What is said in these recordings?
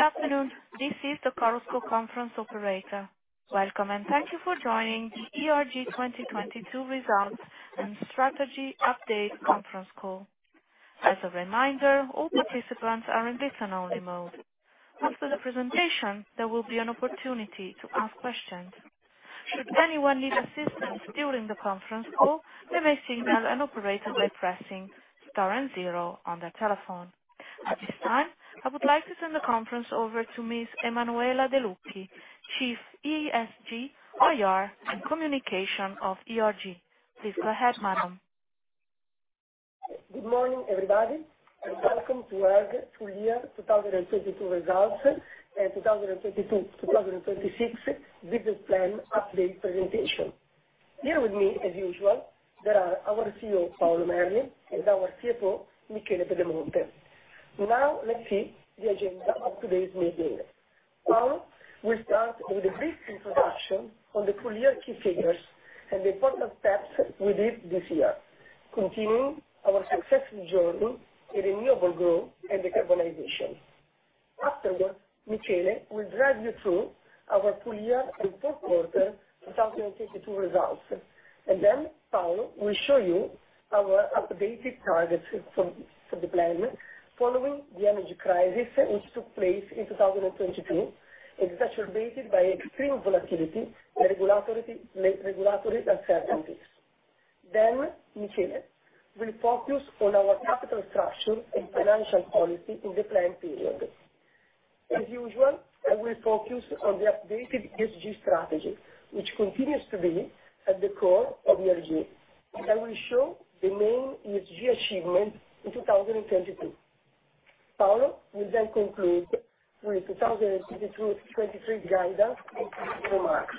Good afternoon. This is the Chorus Call conference operator. Welcome, and thank you for joining the ERG 2022 results and strategy update conference call. As a reminder, all participants are in listen only mode. After the presentation, there will be an opportunity to ask questions. Should anyone need assistance during the conference call, they may signal an operator by pressing star zero on their telephone. At this time, I would like to send the conference over to Ms. Emanuela Delucchi, Chief ESG, IR, and Communication of ERG. Please go ahead, madam. Good morning, everybody, and welcome to ERG full year 2022 results and 2022 to 2026 business plan update presentation. Here with me, as usual, there are our CEO Paolo Merli and our CFO Michele Pedemonte. Let's see the agenda of today's meeting. We start with a brief introduction on the full year key figures and the important steps we did this year, continuing our successful journey in renewable growth and decarbonization. Afterwards, Michele will drive you through our full year and fourth quarter 2022 results. Paolo will show you our updated targets for the plan following the energy crisis, which took place in 2022, exacerbated by extreme volatility and regulatory uncertainties. Michele will focus on our capital structure and financial policy in the planned period. As usual, I will focus on the updated ESG strategy, which continues to be at the core of ERG, and I will show the main ESG achievements in 2022. Paolo will then conclude with 2022-2023 guidance and closing remarks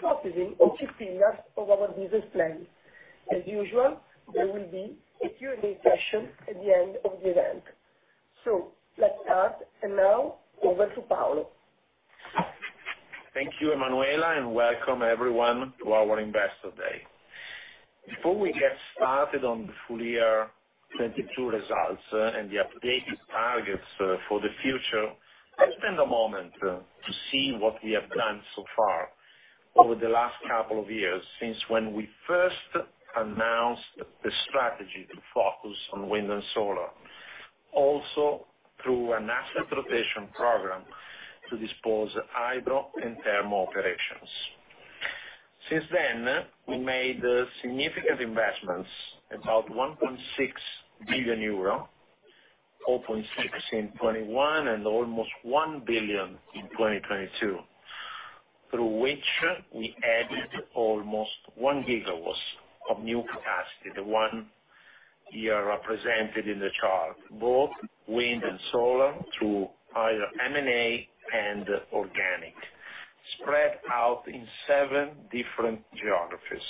focusing on key pillars of our business plan. As usual, there will be a Q&A session at the end of the event. Let's start, and now over to Paolo. Thank you, Emanuela. Welcome everyone to our Investor Day. Before we get started on the full year 2022 results and the updated targets for the future, let's spend a moment to see what we have done so far over the last couple of years, since when we first announced the strategy to focus on Wind and Solar, also through an asset rotation program to dispose Hydro and Thermal operations. Since then, we made significant investments, about 1.6 billion euro, open in 2021, and almost 1 billion in 2022, through which we added almost 1 GW of new capacity, the one year represented in the chart, both wind and solar, through either M&A and organic, spread out in seven different geographies.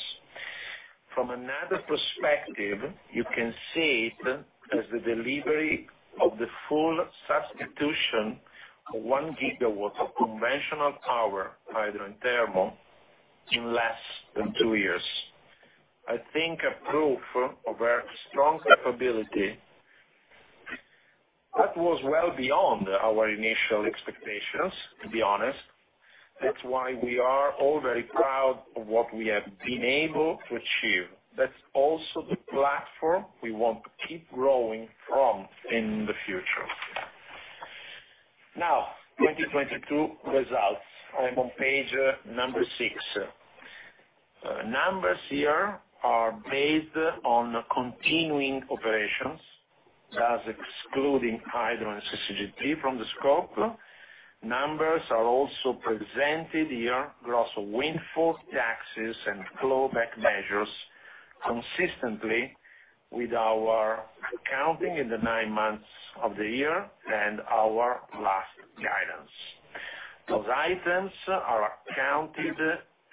From another perspective, you can see it as the delivery of the full substitution of 1 GW of conventional power, hydro and thermal, in less than two years. I think a proof of our strong capability. That was well beyond our initial expectations, to be honest. That's why we are all very proud of what we have been able to achieve. That's also the platform we want to keep growing from in the future. 2022 results. I am on page number six. Numbers here are based on continuing operations, thus excluding hydro and CCGT from the scope. Numbers are also presented here, gross of windfall taxes and clawback measures, consistently with our accounting in the nine months of the year and our last guidance. Those items are accounted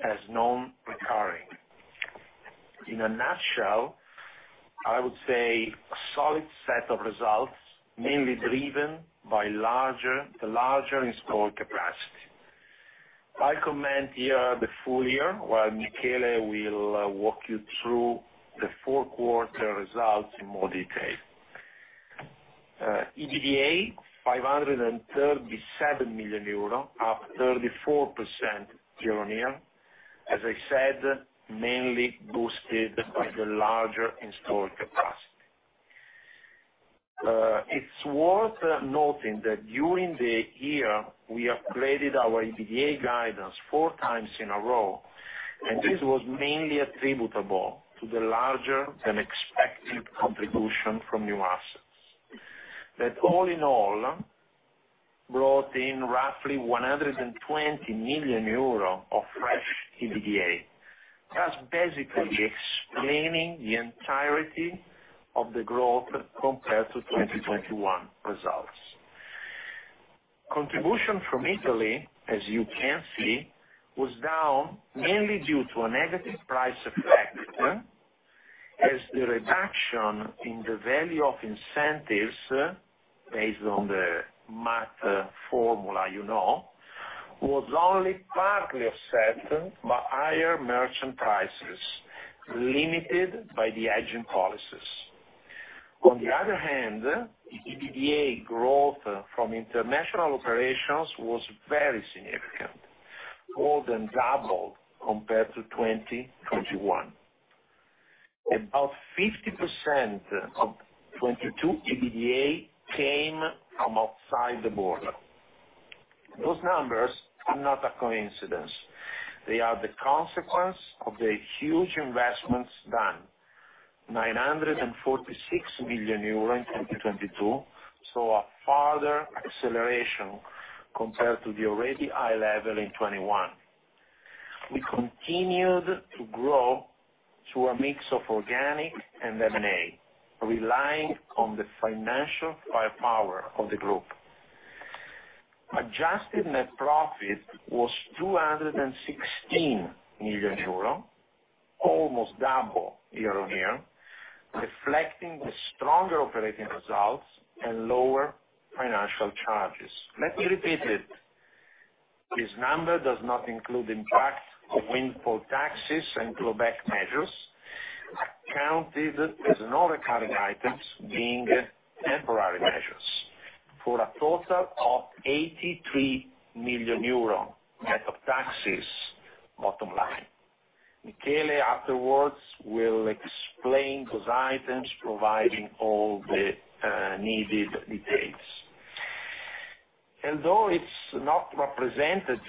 as non-recurring. In a nutshell, I would say a solid set of results, mainly driven by the larger installed capacity. I comment here the full year, while Michele will walk you through the fourth quarter results in more detail. EBITDA, EUR 537 million, up 34% year-on-year. As I said, mainly boosted by the larger installed capacity. It's worth noting that during the year, we upgraded our EBITDA guidance four times in a row. This was mainly attributable to the larger than expected contribution from new assets. That all in all, brought in roughly 120 million euro of fresh EBITDA, thus basically explaining the entirety of the growth compared to 2021 results. Contribution from Italy, as you can see, was down mainly due to a negative price effect, as the reduction in the value of incentives based on the mark-to-market formula, you know, was only partly offset by higher merchant prices. Limited by the agent policies. The EBITDA growth from international operations was very significant, more than doubled compared to 2021. About 50% of 2022 EBITDA came from outside the border. Those numbers are not a coincidence. They are the consequence of the huge investments done, 946 million euro in 2022, a further acceleration compared to the already high level in 2021. We continued to grow through a mix of organic and M&A, relying on the financial firepower of the group. Adjusted net profit was 216 million euro, almost double year-on-year, reflecting the stronger operating results and lower financial charges. Let me repeat it. This number does not include impact of windfall taxes and global measures, accounted as non-recurring items being temporary measures for a total of 83 million euro net of taxes bottom line. Michele afterwards will explain those items, providing all the needed details. It's not represented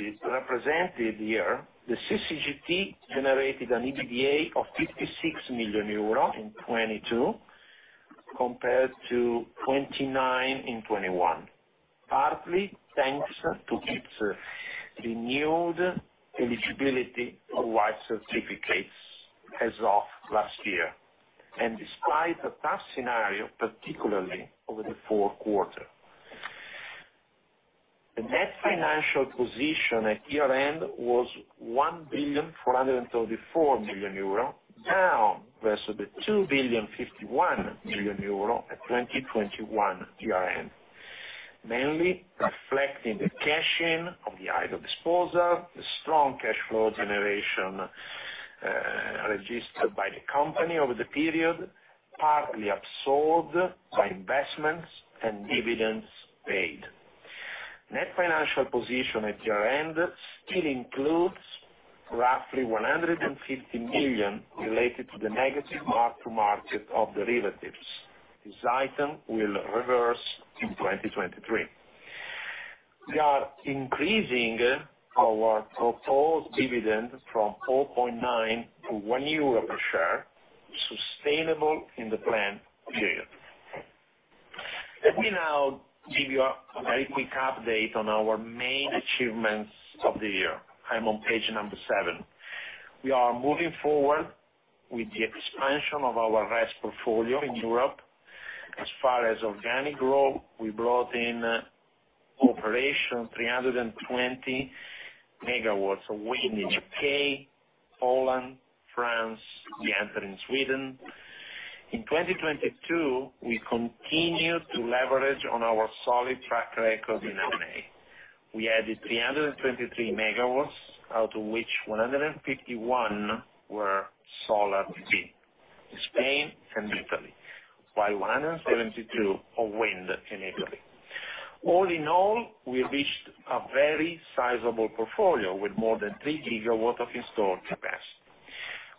here, the CCGT generated an EBITDA of 56 million euro in 2022 compared to 29 million in 2021. Partly thanks to its renewed eligibility of white certificates as of last year, despite a tough scenario, particularly over the fourth quarter. The net financial position at year-end was 1.434 billion down versus the 2.051 billion at 2021 year-end. Mainly reflecting the cash in of the Hydro disposal, the strong cash flow generation registered by the company over the period, partly absorbed by investments and dividends paid. Net financial position at year-end still includes roughly 150 million related to the negative mark-to-market of derivatives. This item will reverse in 2023. We are increasing our proposed dividend from 4.9 to 1 euro per share, sustainable in the plan period. Let me now give you a very quick update on our main achievements of the year. I'm on page number 7. We are moving forward with the expansion of our RES portfolio in Europe. As far as organic growth, we brought in operation 320 MW of wind in the U.K., Poland, France. We entered in Sweden. In 2022, we continued to leverage on our solid track record in M&A. We added 323 MW, out of which 151 MW were solar PV in Spain and Italy, while 172 MW of wind in Italy. All in all, we reached a very sizable portfolio with more than 3 GW of installed capacity.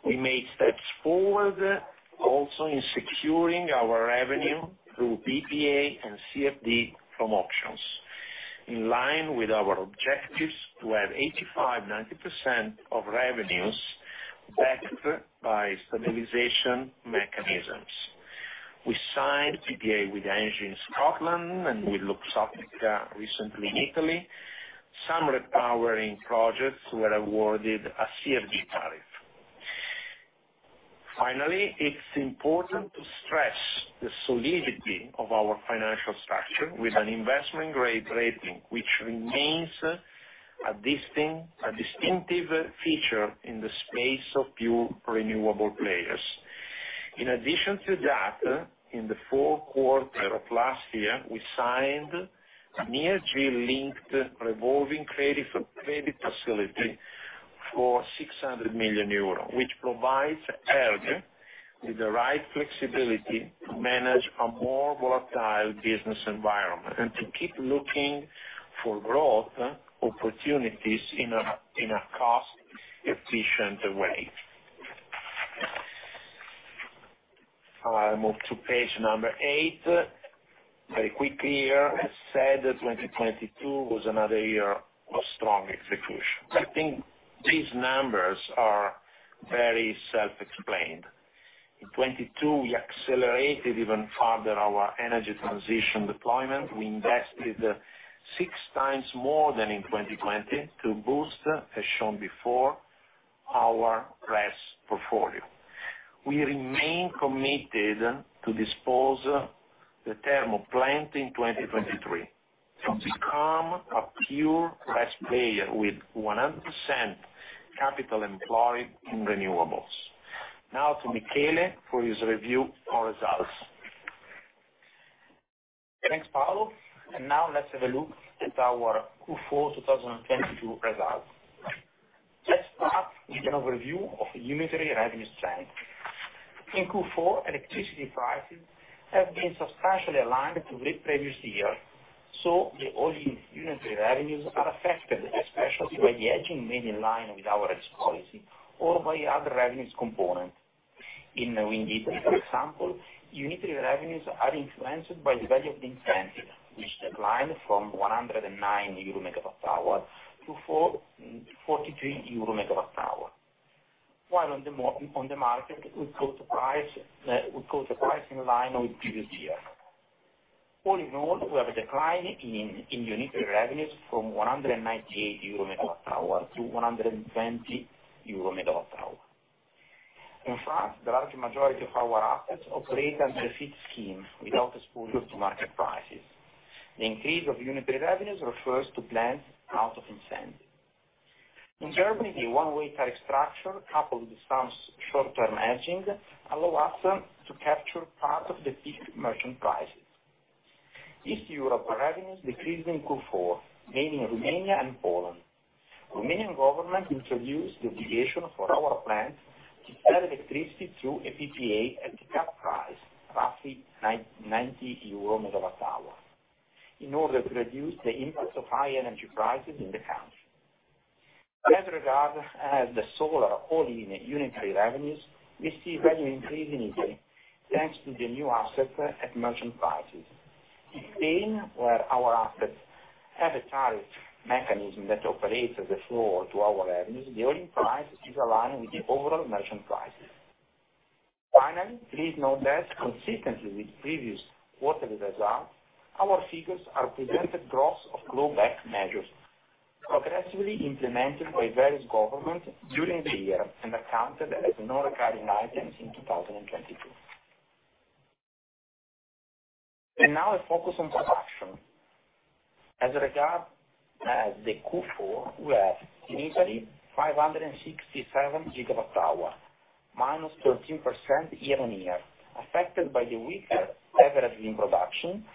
We made steps forward also in securing our revenue through PPA and CFD from auctions. In line with our objectives to have 85%-90% of revenues backed by stabilization mechanisms. We signed PPA with Engie in Scotland and with Luxottica recently in Italy. Some repowering projects were awarded a CFD tariff. Finally, it's important to stress the solidity of our financial structure with an investment-grade rating, which remains a distinctive feature in the space of few renewable players. In addition to that, in the fourth quarter of last year, we signed an ESG-linked revolving credit facility for 600 million euros, which provides ERG with the right flexibility to manage a more volatile business environment and to keep looking for growth opportunities in a cost-efficient way. I move to page number eight. Very quickly here, as said, 2022 was another year of strong execution. I think these numbers are very self-explained. In 2022, we accelerated even further our energy transition deployment. We invested six times more than in 2020 to boost, as shown before, our RES portfolio. We remain committed to dispose the thermal plant in 2023, to become a pure RES player with 100% capital employed in renewables. To Michele for his review on results. Thanks, Paolo. Now let's have a look at our Q4 2022 results. Let's start with an overview of unitary revenue trend. In Q4, electricity prices have been substantially aligned to the previous year. The all-in unitary revenues are affected especially by the hedging made in line with our hedge policy or by other revenues component. In wind energy, for example, unitary revenues are influenced by the value of the incentive, which declined from 109 euro per MWh to 43 euro per MWh. While on the market, we've got the price in line with previous year. All in all, we have a decline in unitary revenues from 198 euro per MWh to 120 euro per MWh. In France, the large majority of our assets operate under a fit scheme without exposure to market prices. The increase of unitary revenues refers to plants out of incentive. In Germany, the one-way tariff structure, coupled with some short-term hedging, allow us to capture part of the fixed merchant prices. East Europe revenues decreased in Q4, mainly Romania and Poland. Romanian government introduced the obligation for our plant to sell electricity through a PPA at the cap price, roughly 90 euro per MWh, in order to reduce the impact of high energy prices in the country. As regard the solar all-in unitary revenues, we see value increase in Italy, thanks to the new assets at merchant prices. In Spain, where our assets have a tariff mechanism that operates as a floor to our revenues, the all-in price is aligned with the overall merchant prices. Finally, please note that consistently with previous quarterly results, our figures are presented gross of clawback measures, progressively implemented by various government during the year, and accounted as non-recurring items in 2022. Now a focus on production. As regard the Q4, we have in Italy, 567 GWh, -13% year-on-year, affected by the weaker average wind production,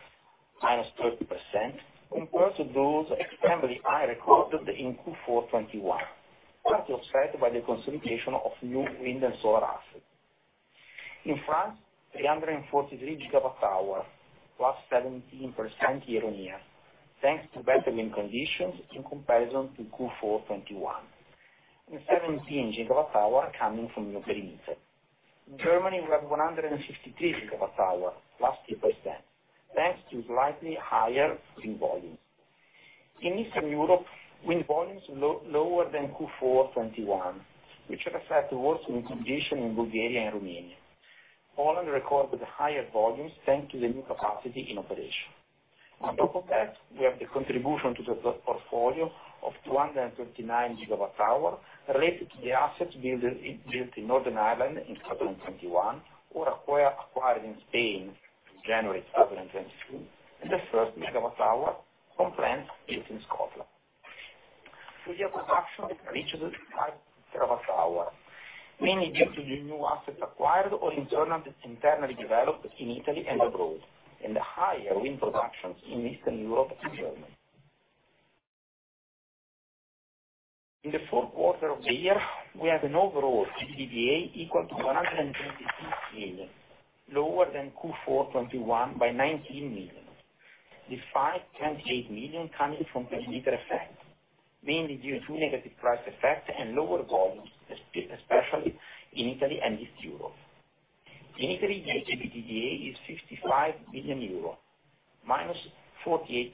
-13%, and also those extremely high recorded in Q4 2021, partially offset by the consolidation of new wind and solar assets. In France, 343 GWh, +17% year-on-year, thanks to better wind conditions in comparison to Q4 2021, and 17 GWh coming from new perimeter. In Germany, we have 153 GWh, +2%, thanks to slightly higher wind volumes. In Eastern Europe, wind volumes lower than Q4 2021, which reflect the worse wind condition in Bulgaria and Romania. Poland recorded higher volumes, thank to the new capacity in operation. On top of that, we have the contribution to the portfolio of 239 GWh related to the assets built in Northern Ireland in 2021 or acquired in Spain in January 2022, and the first MWh from plants built in Scotland. Full year production reaches 5 GWh, mainly due to the new assets acquired or internally developed in Italy and abroad, and the higher wind productions in Eastern Europe and Germany. In the fourth quarter of the year, we have an overall EBITDA equal to 126 million, lower than Q4 2021 by 19 million, despite 28 million coming from perimeter effect, mainly due to negative price effect and lower volumes, especially in Italy and East Europe. In Italy, the EBITDA is 55 million euro, minus 48%,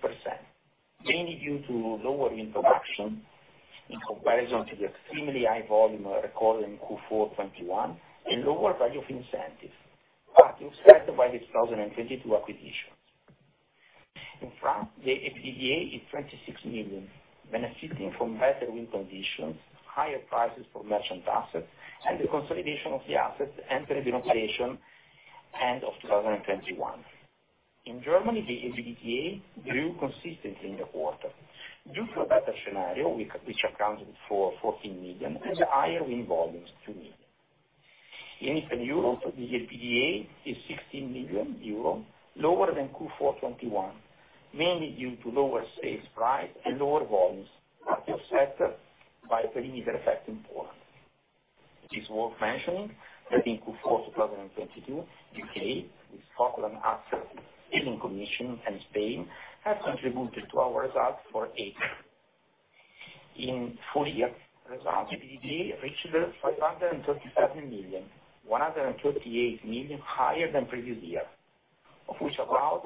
mainly due to lower wind production in comparison to the extremely high volume recorded in Q4 2021, and lower value of incentives, partially offset by the 2022 acquisitions. In France, the EBITDA is 26 million, benefiting from better wind conditions, higher prices for merchant assets, and the consolidation of the assets entered into operation end of 2021. In Germany, the EBITDA grew consistently in the quarter, due to a better scenario which accounted for 14 million and the higher wind volumes, 2 million. In Eastern Europe, the EBITDA is 16 million euro, lower than Q4 2021, mainly due to lower CS price and lower volumes, partially offset by perimeter effect in Poland. It is worth mentioning that in Q4 2022, U.K. with Scotland assets in commissioning and Spain, have contributed to our results for 8 million. In full year results, EBITDA reached 537 million, 138 million higher than previous year, of which about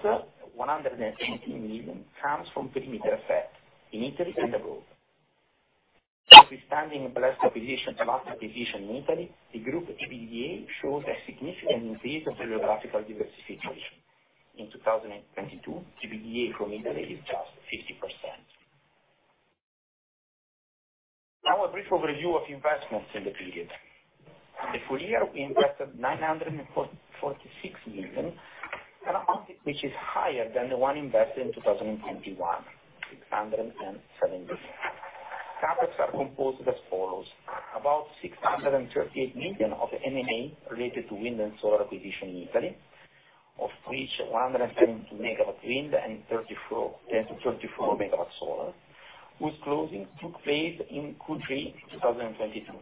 117 million comes from perimeter effect in Italy and abroad. Notwithstanding a blessed acquisition in Italy, the group EBITDA shows a significant increase of geographical diversification. In 2022, EBITDA from Italy is just 50%. Now a brief overview of investments in the period. The full year, we invested 946 million, an amount which is higher than the one invested in 2021, 607 million. CapEx are composed as follows: about 638 million of M&A related to Wind and Solar acquisition in Italy, of which 170 MW Wind and 34 MW solar, whose closing took place in Q3 2022.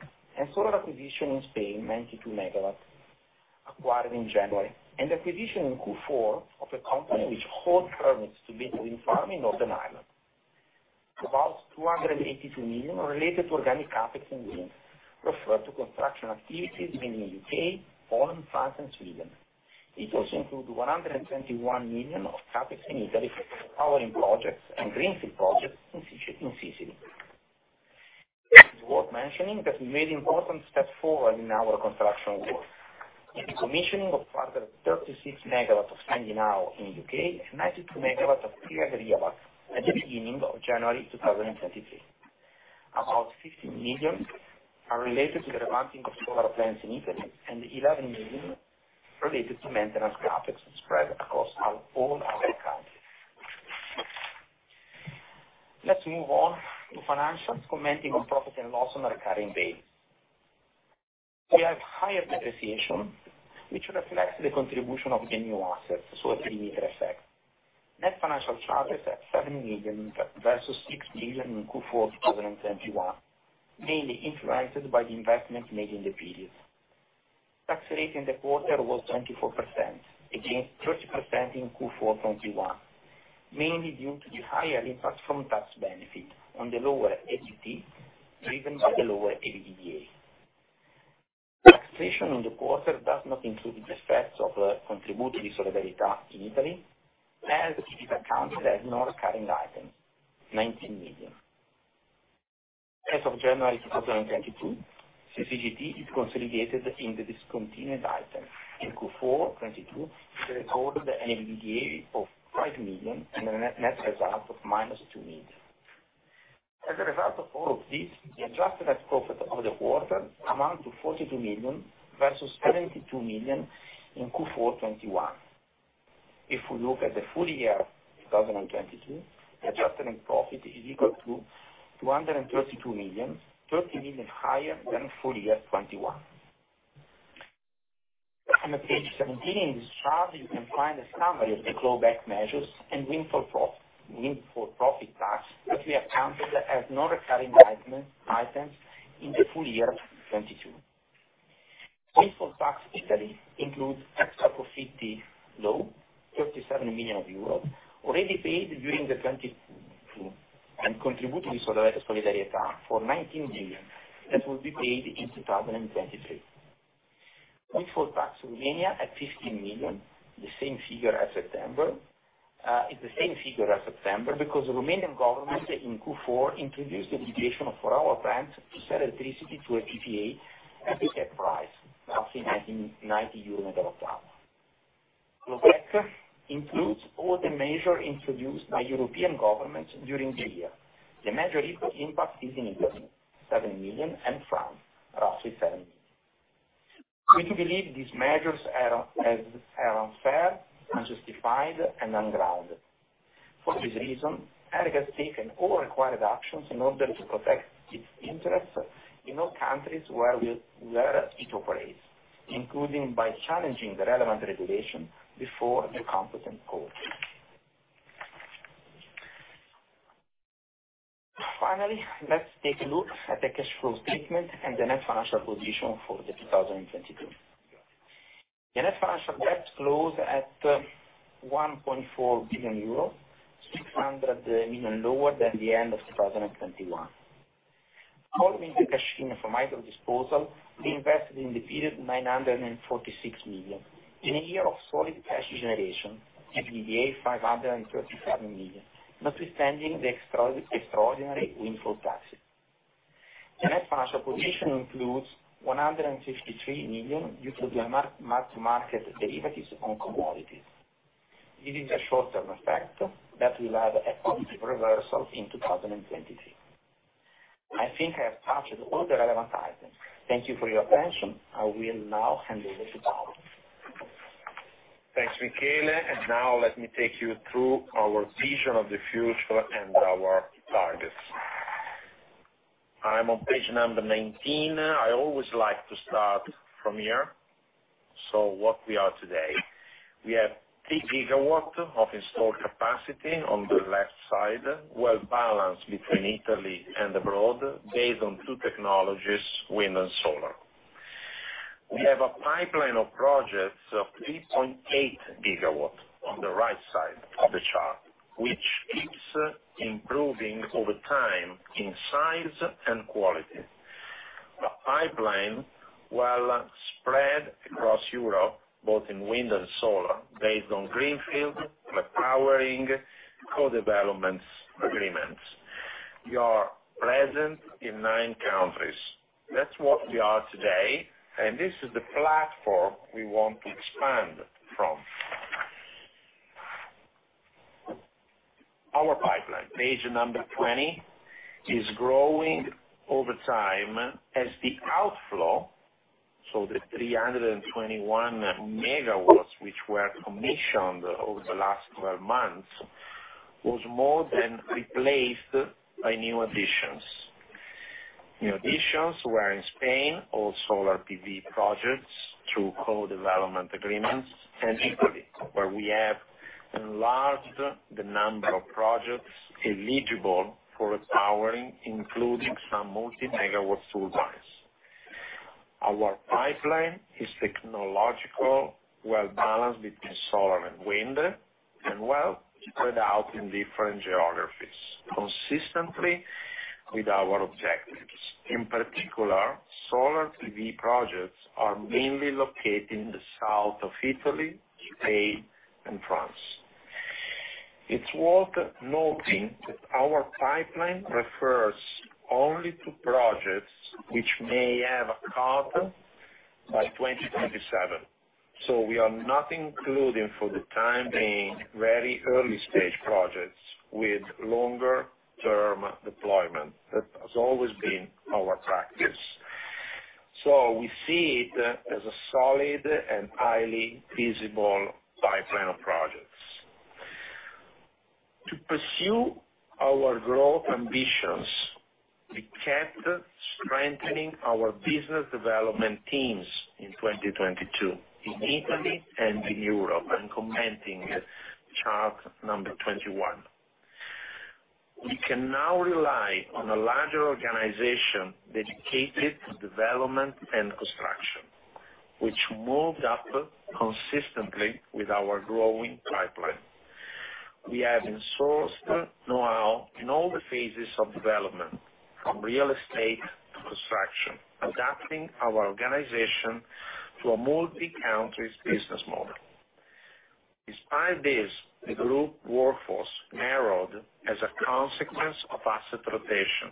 Solar acquisition in Spain, 92 MW acquired in January, and acquisition in Q4 of a company which holds permits to build wind farm in Northern Ireland. About 282 million related to organic CapEx in wind, refer to construction activities mainly in U.K., Poland, France, and Sweden. It also includes 121 million of CapEx in Italy, powering projects and greenfield projects in Sicily. It's worth mentioning that we made important step forward in our construction work. In the commissioning of 136 MW of Sandy Knowe in U.K., and 92 MW of Creag Riabhach at the beginning of January 2023. About 50 million are related to the revamping of solar plants in Italy, and 11 million related to maintenance CapEx spread across all our countries. Let's move on to financials, commenting on profits and loss on a recurring base. We have higher depreciation, which reflects the contribution of the new assets, so a perimeter effect. Net financial charges at 7 million versus 6 million in Q4 of 2021, mainly influenced by the investment made in the period. Tax rate in the quarter was 24%, against 30% in Q4 2021, mainly due to the higher impact from tax benefit on the lower EBT, driven by the lower EBITDA. Taxation in the quarter does not include the effects of Contributo di solidarietà in Italy, as it is accounted as non-recurring item, 19 million. As of January 2022, CCGT is consolidated in the discontinued item. In Q4 2022, it recorded an EBITDA of 5 million and a net result of -2 million. As a result of all of this, the adjusted tax profit of the quarter amount to 42 million versus 72 million in Q4 2021. If we look at the full year 2022, the adjustment profit is equal to 232 million, 30 million higher than full year 2021. On page 17 in this chart, you can find a summary of the global measures and windfall profit tax, which we accounted as non-recurring items in the full year 2022. Windfall tax Italy includes extraprofitti law EUR 37 million, already paid during 2022, and Contributo di solidarietà for 19 million, that will be paid in 2023. Windfall tax Romania at 15 million, the same figure as September. It's the same figure as September because the Romanian government in Q4 introduced the dedication of four-hour plant to sell electricity to a PPA at a set price, roughly EUR 90 per MWh. Global tax includes all the measure introduced by European governments during the year. The measure equal impact is in Italy, 7 million, and France, roughly 7 million. We believe these measures are unfair, unjustified, and ungrounded. For this reason, ERG has taken all required actions in order to protect its interests in all countries where it operates, including by challenging the relevant regulation before the competent court. Let's take a look at the cash flow statement and the net financial position for 2022. The net financial debt closed at 1.4 billion euros, 600 million lower than the end of 2021. Following the cash in from Hydro disposal, we invested in the period 946 million, in a year of solid cash generation, EBITDA 537 million, notwithstanding the extraordinary windfall taxes. The net financial position includes 153 million euro due to the mark-to-market derivatives on commodities. It is a short-term effect that will have a positive reversal in 2023. I think I have touched all the relevant items. Thank you for your attention. I will now hand over to Paolo. Thanks, Michele. Now let me take you through our vision of the future and our targets. I'm on page number 19. I always like to start from here. What we are today. We have 3 GW of installed capacity on the left side, well balanced between Italy and abroad, based on two technologies, Wind and Solar. We have a pipeline of projects of 3.8 GW, on the right side of the chart, which keeps improving over time in size and quality. The pipeline, while spread across Europe, both in wind and solar, based on greenfield, repowering, co-development agreements. We are present in nine countries. That's what we are today, and this is the platform we want to expand from. Our pipeline, page number 20, is growing over time. The 321 MW which were commissioned over the last 12 months was more than replaced by new additions. New additions were in Spain, all solar PV projects through co-development agreements, and Italy, where we have enlarged the number of projects eligible for repowering, including some multi-MW turbines. Our pipeline is technological, well-balanced between solar and wind, and well spread out in different geographies, consistently with our objectives. In particular, solar PV projects are mainly located in the south of Italy, Spain, and France. It's worth noting that our pipeline refers only to projects which may have a carbon by 2027. We are not including for the time being, very early stage projects with longer term deployment. That has always been our practice. We see it as a solid and highly feasible pipeline of projects. To pursue our growth ambitions, we kept strengthening our business development teams in 2022, in Italy and in Europe. I'm commenting chart number 21. We can now rely on a larger organization dedicated to development and construction, which moved up consistently with our growing pipeline. We have in-sourced knowhow in all the phases of development, from real estate to construction, adapting our organization to a multi-countries business model. Despite this, the group workforce narrowed as a consequence of asset rotation.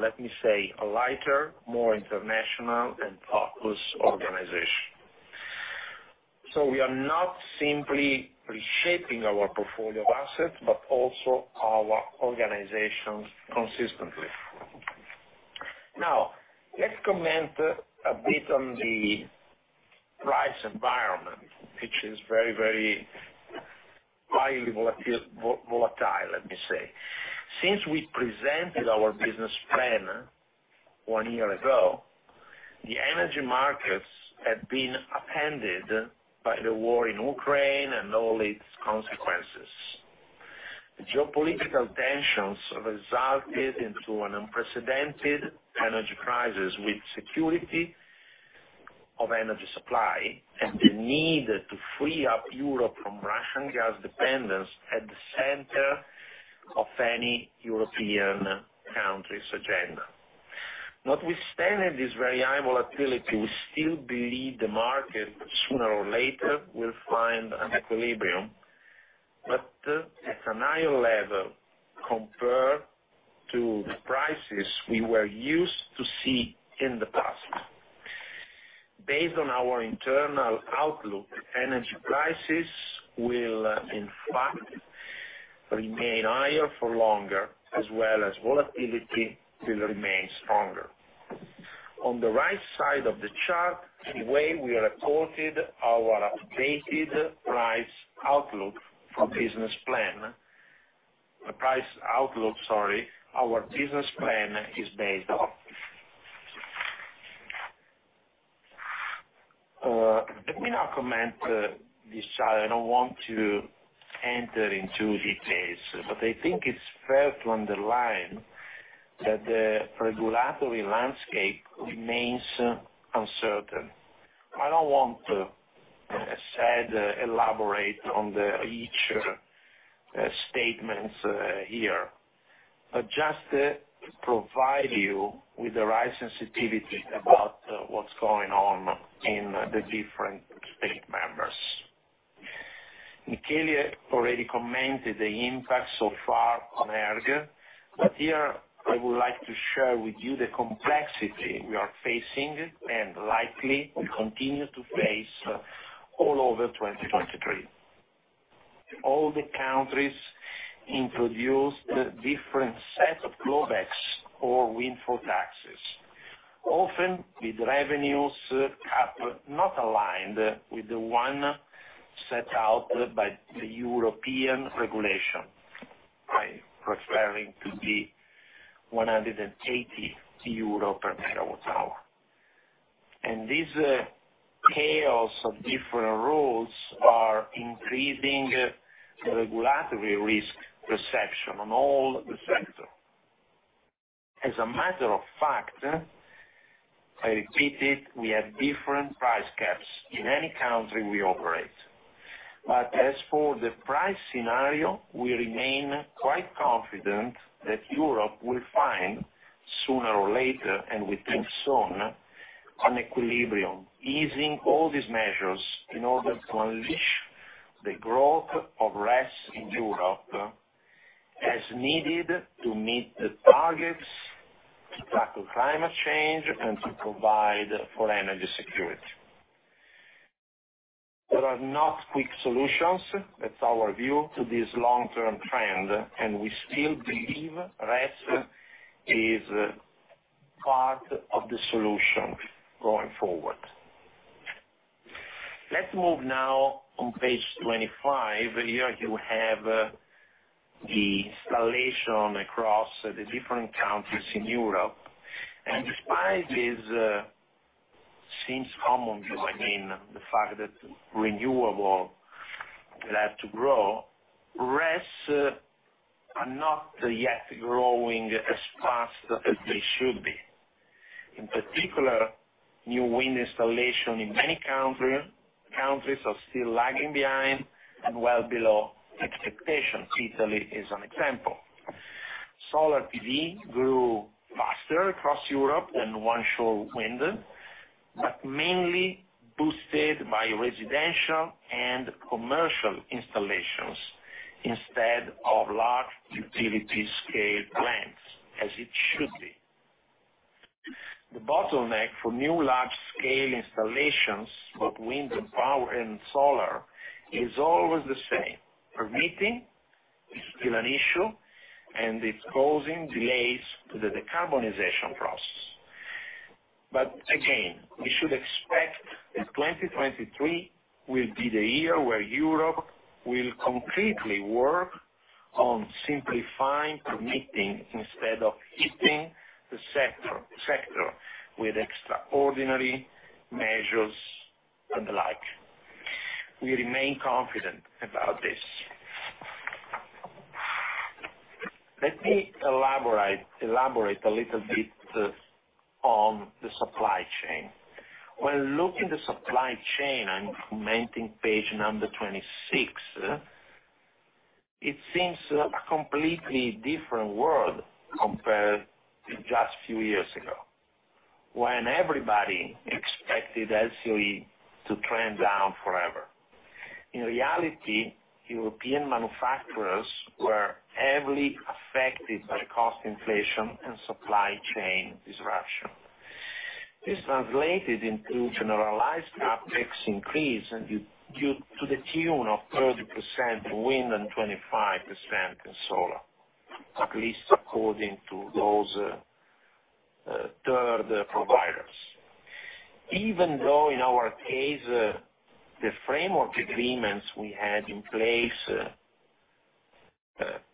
Let me say, a lighter, more international, and focused organization. We are not simply reshaping our portfolio of assets, but also our organization consistently. Let's comment a bit on the price environment, which is very highly volatile, let me say. Since we presented our business plan one year ago, the energy markets have been upended by the war in Ukraine and all its consequences. The geopolitical tensions resulted into an unprecedented energy crisis with security of energy supply. The need to free up Europe from Russian gas dependence at the center of any European country's agenda. Notwithstanding this very high volatility, we still believe the market sooner or later will find an equilibrium. At a higher level compared to the prices we were used to see in the past. Based on our internal outlook, energy prices will in fact remain higher for longer, as well as volatility will remain stronger. On the right side of the chart, the way we reported our updated price outlook for business plan. The price outlook, sorry, our business plan is based off. Let me now comment this slide. I don't want to enter into details. I think it's fair to underline that the regulatory landscape remains uncertain. I don't want to elaborate on each statements here, just to provide you with the right sensitivity about what's going on in the different state members. Michele already commented the impact so far on ERG. Here I would like to share with you the complexity we are facing and likely will continue to face all over 2023. All the countries introduced different set of clawbacks or windfall taxes, often with revenues not aligned with the one set out by the European regulation, by preferring to be EUR 180 per mMWh. This chaos of different rules are increasing the regulatory risk perception on all the sector. I repeat it, we have different price caps in any country we operate. As for the price scenario, we remain quite confident that Europe will find, sooner or later, and we think soon, an equilibrium, easing all these measures in order to unleash the growth of RES in Europe, as needed to meet the targets to tackle climate change and to provide for energy security. There are not quick solutions, that's our view, to this long-term trend, and we still believe RES is part of the solution going forward. Let's move now on page 25. Here you have the installation across the different countries in Europe. Despite this, seems common view, I mean, the fact that renewable will have to grow, RES are not yet growing as fast as they should be. In particular, new Wind installation in many countries are still lagging behind and well below expectations. Italy is an example. Solar PV grew faster across Europe than onshore wind, but mainly boosted by residential and commercial installations instead of large utility scale plants as it should be. The bottleneck for new large scale installations, both wind and power and solar, is always the same. Permitting is still an issue, and it's causing delays to the decarbonization process. Again, we should expect that 2023 will be the year where Europe will completely work on simplifying permitting instead of hitting the sector with extraordinary measures and the like. We remain confident about this. Let me elaborate a little bit on the supply chain. When looking the supply chain, I'm commenting page number 26, it seems a completely different world compared to just few years ago when everybody expected LCOE to trend down forever. In reality, European manufacturers were heavily affected by cost inflation and supply chain disruption. This translated into generalized CapEx increase due to the tune of 30% in Wind and 25% in Solar, at least according to those third providers. Even though in our case, the framework agreements we had in place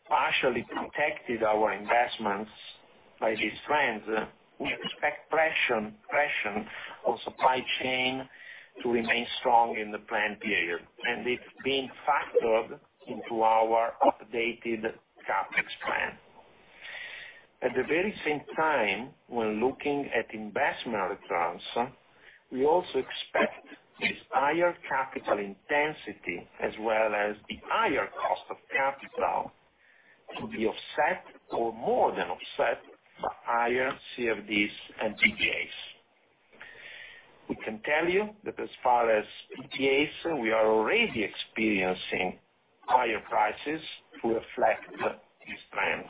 partially protected our investments by these trends, we expect pressure on supply chain to remain strong in the planned period. It's being factored into our updated CapEx plan. At the very same time, when looking at investment returns, we also expect this higher capital intensity as well as the higher cost of capital to be offset or more than offset by higher CFDs and PPAs. We can tell you that as far as PPAs, we are already experiencing higher prices to reflect these trends.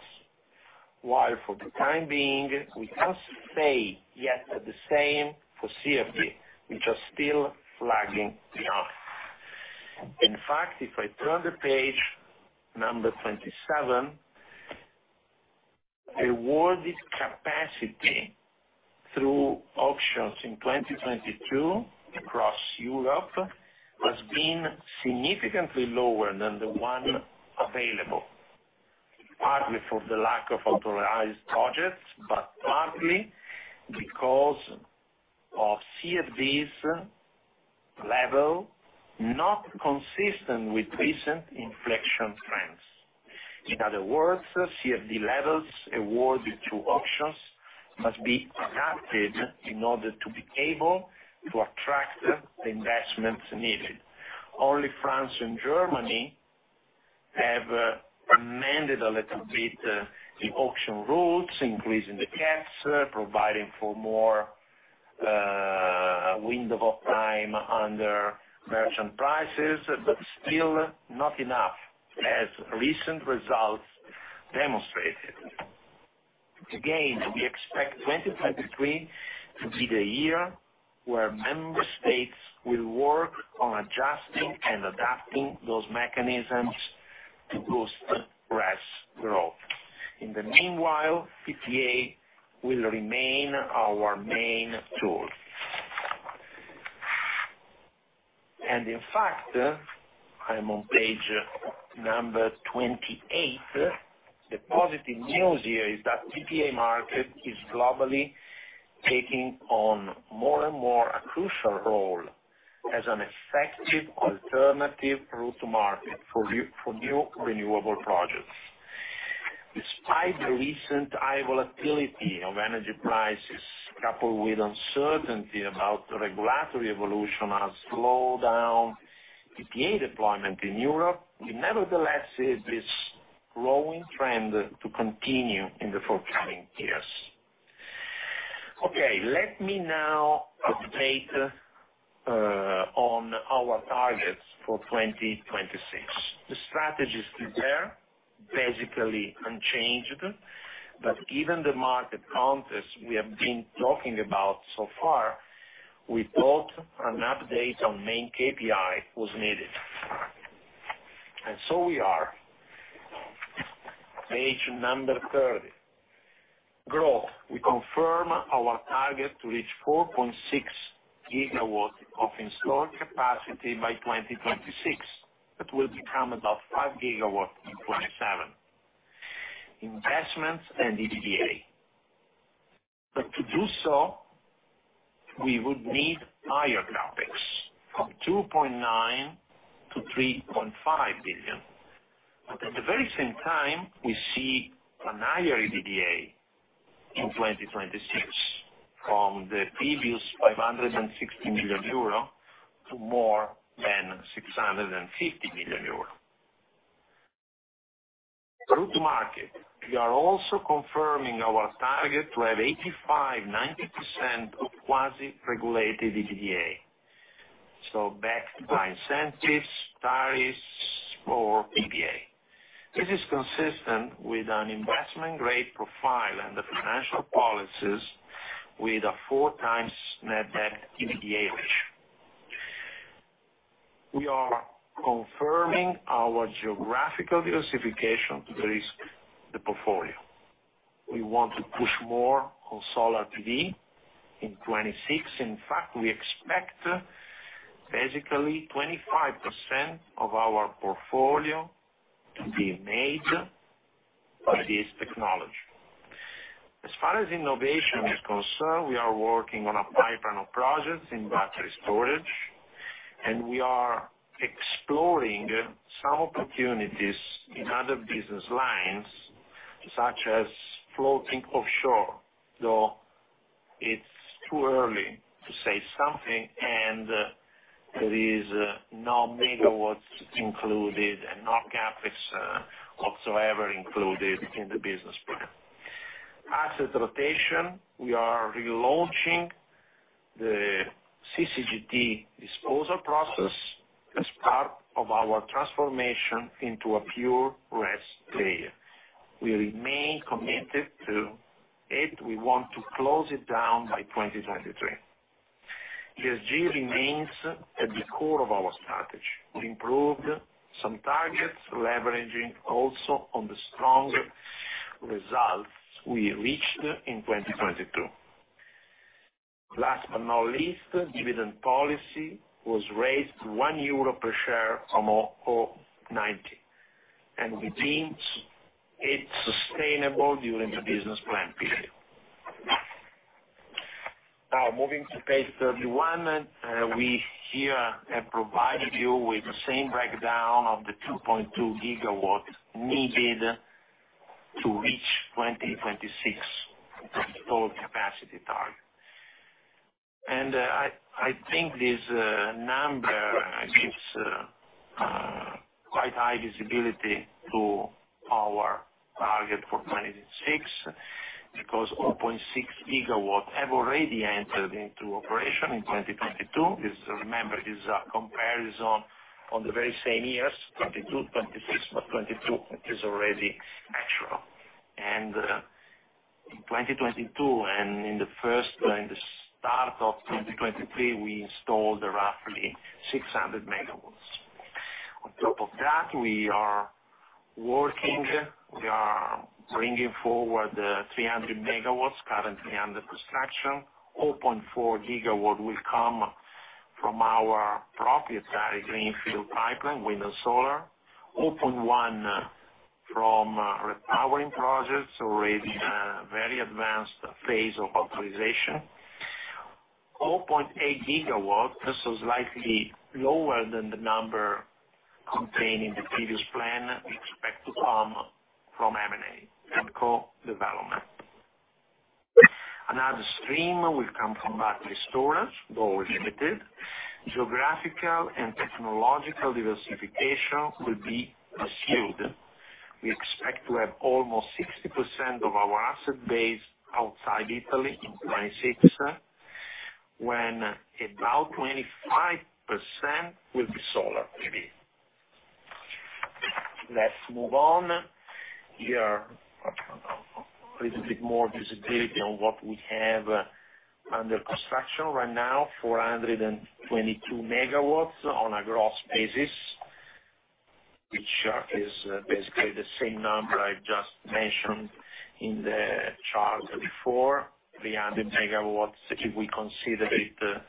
While for the time being, we can't say yet the same for CFD, which are still lagging behind. In fact, if I turn the page number 27, awarded capacity through auctions in 2022 across Europe has been significantly lower than the one available, partly for the lack of authorized projects, but partly because of CFD's level, not consistent with recent inflection trends. In other words, CFD levels awarded through auctions must be adapted in order to be able to attract the investments needed. Only France and Germany have amended a little bit, the auction rules, increasing the caps, providing for more, window of time under merchant prices, still not enough, as recent results demonstrated. We expect 2023 to be the year where member states will work on adjusting and adapting those mechanisms to boost RES growth. In the meanwhile, PPA will remain our main tool. In fact, I'm on page number 28. The positive news here is that PPA market is globally taking on more and more a crucial role as an effective alternative route to market for new renewable projects. Despite the recent high volatility of energy prices, coupled with uncertainty about the regulatory evolution has slowed down PPA deployment in Europe, we nevertheless see this growing trend to continue in the forthcoming years. Let me now update on our targets for 2026. The strategy is still there. Basically unchanged. Given the market context we have been talking about so far, we thought an update on main KPI was needed. And so we are. Page number 30. Growth. We confirm our target to reach 4.6 GW of installed capacity by 2026. That will become about 5 GW in 2027. Investments and EBITDA. To do so, we would need higher CapEx, from 2.9 billion-3.5 billion. At the very same time, we see an higher EBITDA in 2026 from the previous 560 million euro to more than 650 million euro. Through to market. We are also confirming our target to have 85%-90% of quasi-regulated EBITDA, so backed by incentives, tariffs, or PPA. This is consistent with an investment grade profile and the financial policies with a 4x net debt to EBITDA ratio. We are confirming our geographical diversification to de-risk the portfolio. We want to push more on solar PV in 2026. In fact, we expect basically 25% of our portfolio to be made of this technology. As far as innovation is concerned, we are working on a pipeline of projects in battery storage, and we are exploring some opportunities in other business lines, such as floating offshore, though it's too early to say something, and there is no megawatts included and no CapEx whatsoever included in the business plan. Asset rotation. We are relaunching the CCGT disposal process as part of our transformation into a pure RES player. We remain committed to it. We want to close it down by 2023. ESG remains at the core of our strategy. We improved some targets, leveraging also on the strong results we reached in 2022. Last but not least, dividend policy was raised 1 euro per share from 0.90. We think it's sustainable during the business plan period. Now, moving to page 31, we here have provided you with the same breakdown of the 2.2 GW needed to reach 2026 installed capacity target. I think this number gives quite high visibility to our target for 2026 because 0.6 GW have already entered into operation in 2022. This, remember, is a comparison on the very same years, 2022, 2026, but 2022 is already actual. In 2022 and in the first... In the start of 2023, we installed roughly 600 MW. On top of that, we are working, we are bringing forward 300 MW currently under construction. 0.4 GW will come from our proprietary greenfield pipeline, wind and solar. 0.1 from repowering projects already in a very advanced phase of authorization. 0.8 GW, so slightly lower than the number contained in the previous plan, we expect to come from M&A and co-development. Another stream will come from battery storage, though limited. Geographical and technological diversification will be pursued. We expect to have almost 60% of our asset base outside Italy in 2026, when about 25% will be Solar PV. Let's move on. Here, a little bit more visibility on what we have under construction right now, 422 MW on a gross basis, which is basically the same number I just mentioned in the chart before, 300 MW, if we consider it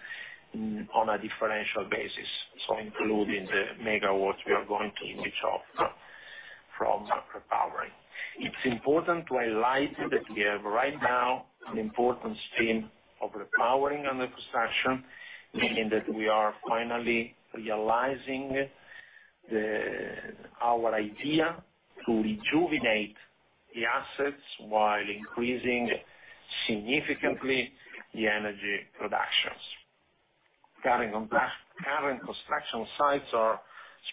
on a differential basis, so including the megawatts we are going to switch off from repowering. It's important to highlight that we have right now an important stream of repowering under construction, meaning that we are finally realizing our idea to rejuvenate the assets while increasing significantly the energy productions. Current construction sites are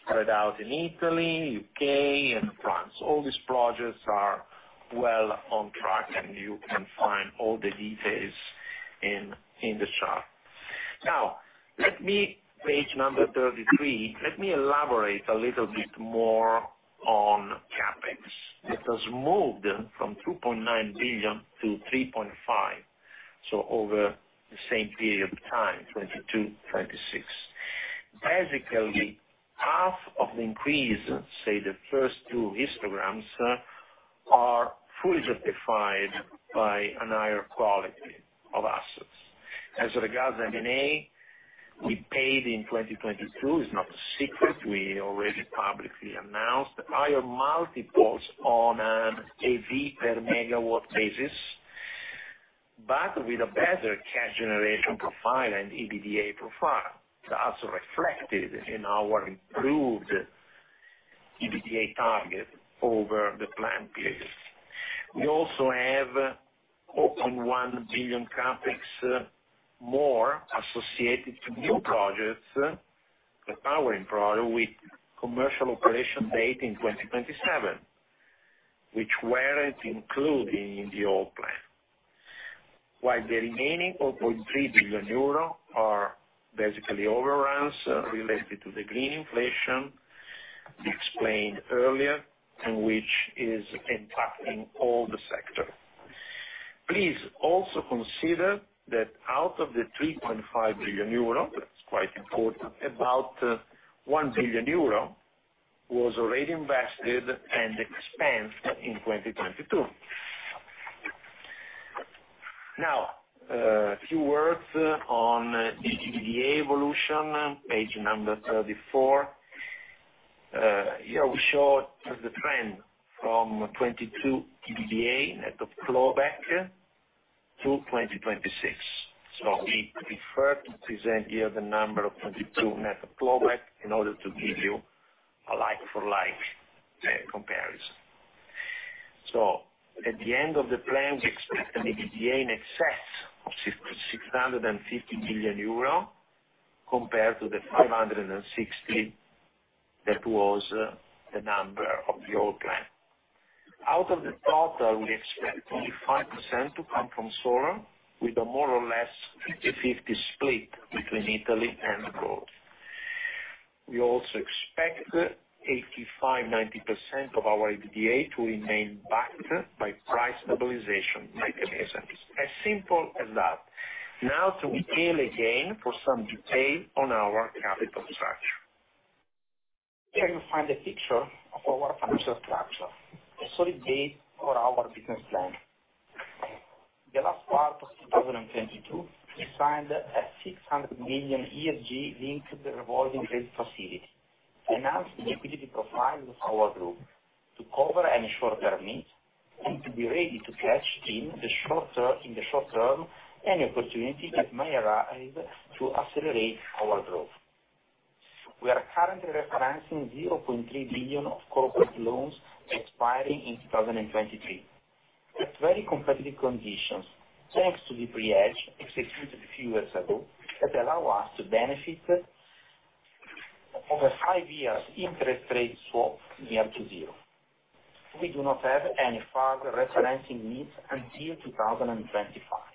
spread out in Italy, U.K., and France. All these projects are well on track, and you can find all the details in this chart. Let me, page number 33, let me elaborate a little bit more on CapEx. It has moved from 2.9 billion to 3.5 billion, over the same period of time, 2022, 2026. Basically, half of the increase, say the first two histograms, are fully justified by a higher quality of assets. As regards M&A, we paid in 2022, it's not a secret, we already publicly announced, higher multiples on a EV per MW basis, but with a better cash generation profile and EBITDA profile. It's also reflected in our improved EBITDA target over the plan period. We also have open 1 billion CapEx more associated to new projects, the powering project with commercial operation date in 2027, which weren't included in the old plan. The remaining 4.3 billion euro are basically overruns related to the green inflation explained earlier, and which is impacting all the sector. Please also consider that out of the 3.5 billion euro, that's quite important, about 1 billion euro, was already invested and expensed in 2022. A few words on the EBITDA evolution, page number 34. Here we show the trend from 2022 EBITDA net of clawback to 2026. We prefer to present here the number of 2022 net of clawback in order to give you a like-for-like comparison. At the end of the plan, we expect an EBITDA in excess of 650 billion euro compared to the 560 billion, that was the number of the old plan. Out of the total, we expect 85% to come from solar with a more or less 50/50 split between Italy and abroad. We also expect 85%, 90% of our EBITDA to remain backed by price stabilization mechanisms. As simple as that. Now to Michele again for some detail on our capital structure. Here you find a picture of our financial structure, a solid base for our business plan. The last part of 2022, we signed a 600 million ESG-linked revolving credit facility, enhanced the liquidity profile of our group to cover any short-term needs and to be ready to catch in the short-term, any opportunity that may arise to accelerate our growth. We are currently referencing 0.3 billion of corporate loans expiring in 2023. At very competitive conditions, thanks to the pre-hedge executed a few years ago, that allow us to benefit over five -year interest rate swap near to zero. We do not have any further referencing needs until 2025.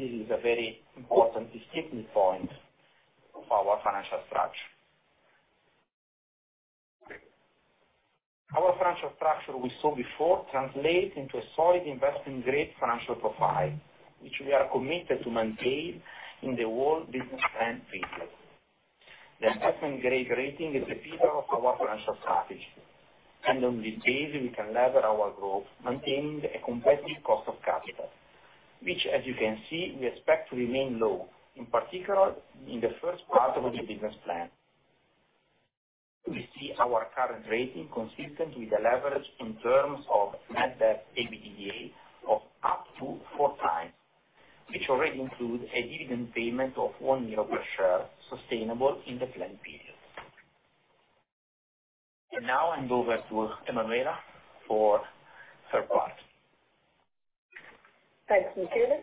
This is a very important distinguishing point for our financial structure. Our financial structure we saw before translate into a solid investment grade financial profile, which we are committed to maintain in the whole business plan period. The investment grade rating is the pillar of our financial strategy. On this base, we can lever our growth, maintaining a competitive cost of capital, which, as you can see, we expect to remain low, in particular, in the first part of the business plan. We see our current rating consistent with the leverage in terms of net debt EBITDA of up to 4x, which already include a dividend payment of 1 euro per share, sustainable in the planned period. Now I move over to Emanuela for third party. Thanks, Michele.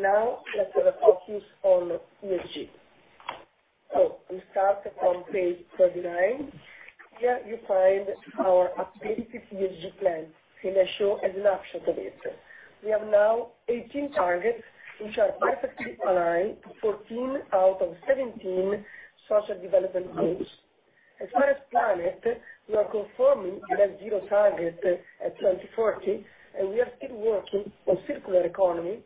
Now let us focus on ESG. We start from page 29. Here you find our updated ESG plan, and I show a snapshot of it. We have now 18 targets, which are perfectly aligned to 14 out of 17 Sustainable Development Goals. As far as planet, we are confirming the net zero target at 2040, and we are still working on circular economy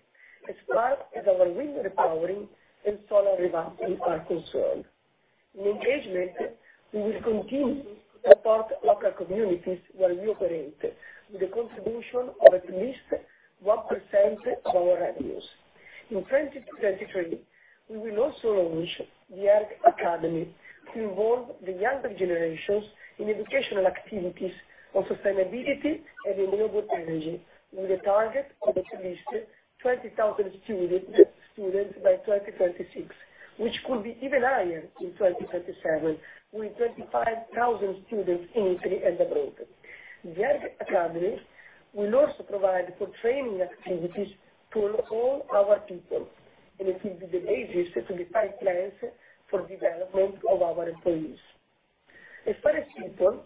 as far as our wind repowering and solar revamping are concerned. In engagement, we will continue to support local communities where we operate, with a contribution of at least 1% of our revenues. In 2023, we will also launch the ERG Academy to involve the younger generations in educational activities on sustainability and renewable energy, with a target of at least 20,000 students by 2026, which could be even higher in 2027, with 35,000 students in Italy and abroad. The ERG Academy will also provide for training activities to all our people, and it will be the basis to define plans for development of our employees. As far as people,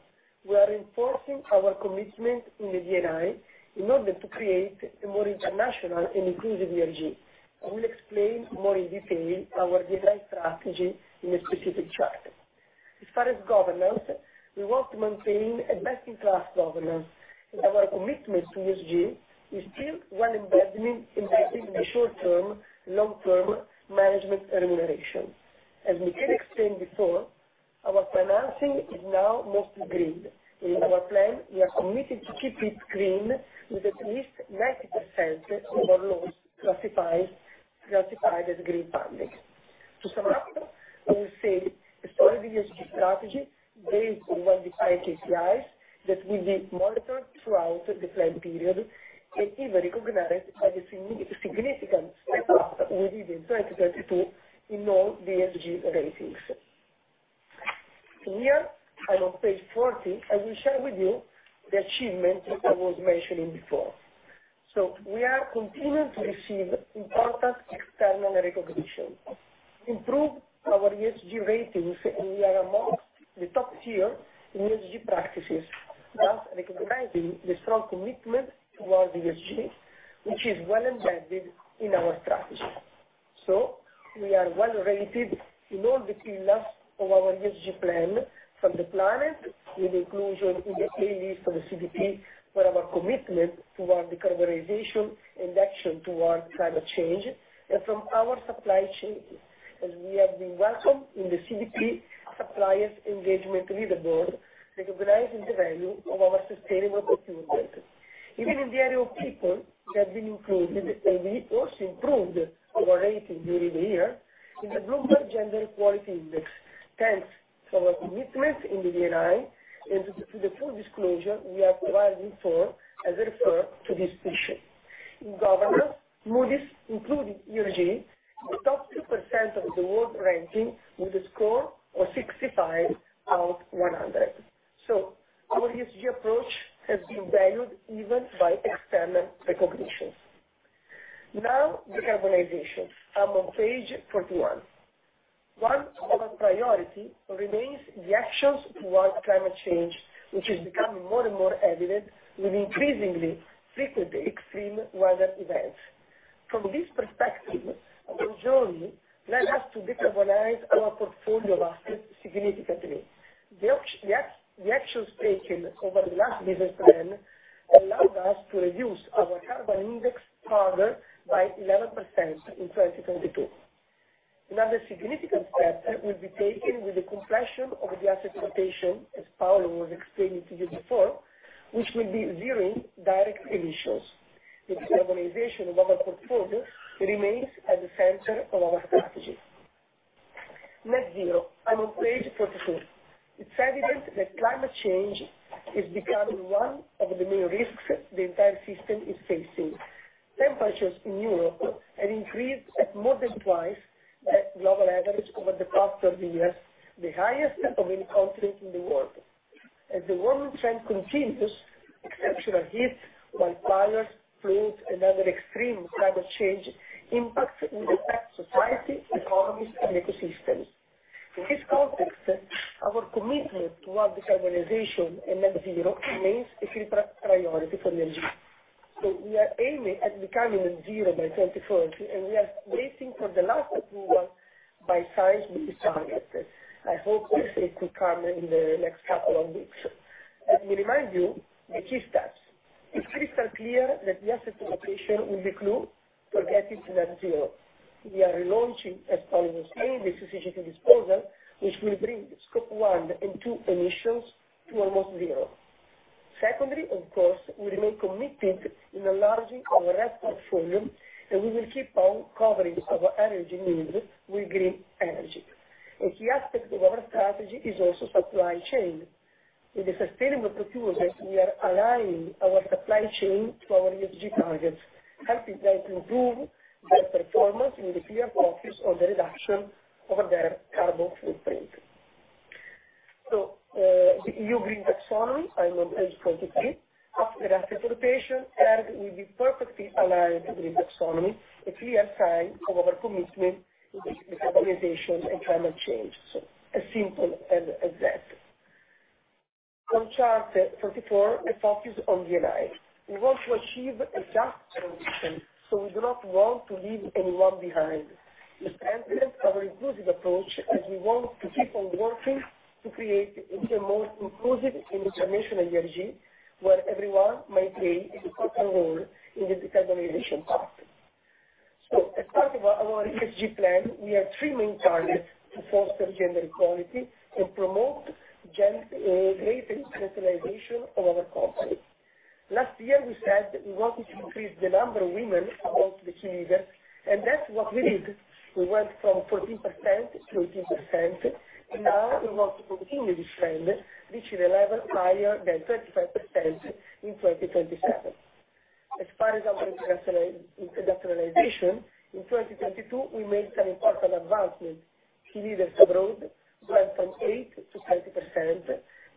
we are enforcing our commitment in the D&I in order to create a more international and inclusive ERG. I will explain more in detail our design strategy in a specific track. As far as governance, we want to maintain a best-in-class governance, and our commitment to ESG is still well embedded in the short term, long term management remuneration. As Michele explained before, our financing is now mostly green. In our plan, we are committed to keep it green with at least 90% of our loans classified as green funding. To sum up, I will say a strong ESG strategy based on well-defined KPIs that will be monitored throughout the plan period, and even recognized by the significance we did in 2032 in all the ESG ratings. Here, I'm on page 40, I will share with you the achievements that I was mentioning before. We are continuing to receive important external recognition, improve our ESG ratings, and we are amongst the top tier in ESG practices, thus recognizing the strong commitment towards ESG, which is well embedded their carbon footprint. The EU Green Taxonomy, I'm on page 43. After the asset rotation, ERG will be perfectly aligned to Green Taxonomy, a clear sign of our commitment to decarbonization and climate change. As simple as that. On chart 44, a focus on D&I. We want to achieve a just transition, we do not want to leave anyone behind. This represents our inclusive approach, as we want to keep on working to create a more inclusive and international ERG where everyone might play a critical role in the decarbonization path. As part of our ESG plan, we have three main targets to foster gender equality and promote greater internationalization of our company. Last year, we said we wanted to increase the number of women amongst the key leader. That's what we did. We went from 14% to 18%, and now we want to continue this trend, reaching a level higher than 25% in 2027. As far as our internationalization, in 2022, we made an important advancement. Key leaders abroad went from 8% to 20%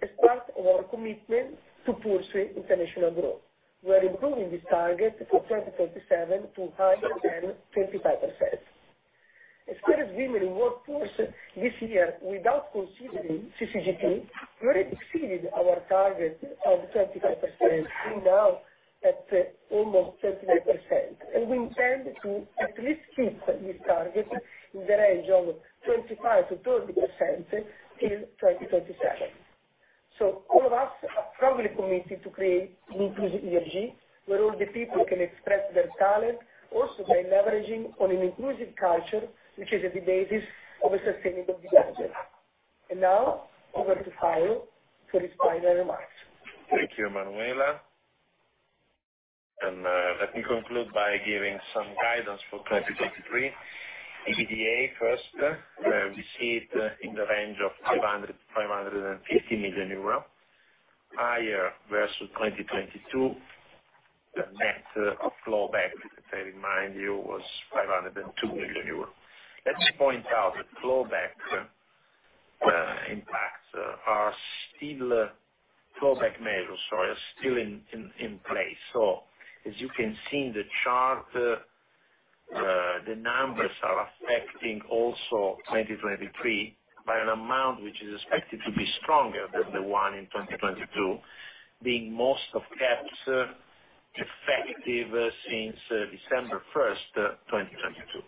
as part of our commitment to pursue international growth. We are improving this target for 2027 to higher than 25%. As far as women in workforce this year, without considering CCGT, we already exceeded our target of 25%. We're now at almost 38%, and we intend to at least keep this target in the range of 25%-30% till 2027. All of us are strongly committed to create an inclusive energy where all the people can express their talent, also by leveraging on an inclusive culture, which is at the basis of the sustainability of the project. Now, over to Paolo for his final remarks. Thank you, Emanuela. Let me conclude by giving some guidance for 2023. EBITDA first, we see it in the range of 500 million-550 million euro, higher versus 2022. The net of clawback, I remind you, was 502 million euro. Let's point out the clawback impact. Clawback measures, sorry, are still in place. As you can see in the chart, the numbers are affecting also 2023 by an amount which is expected to be stronger than the one in 2022, being most of caps effective since December 1, 2022.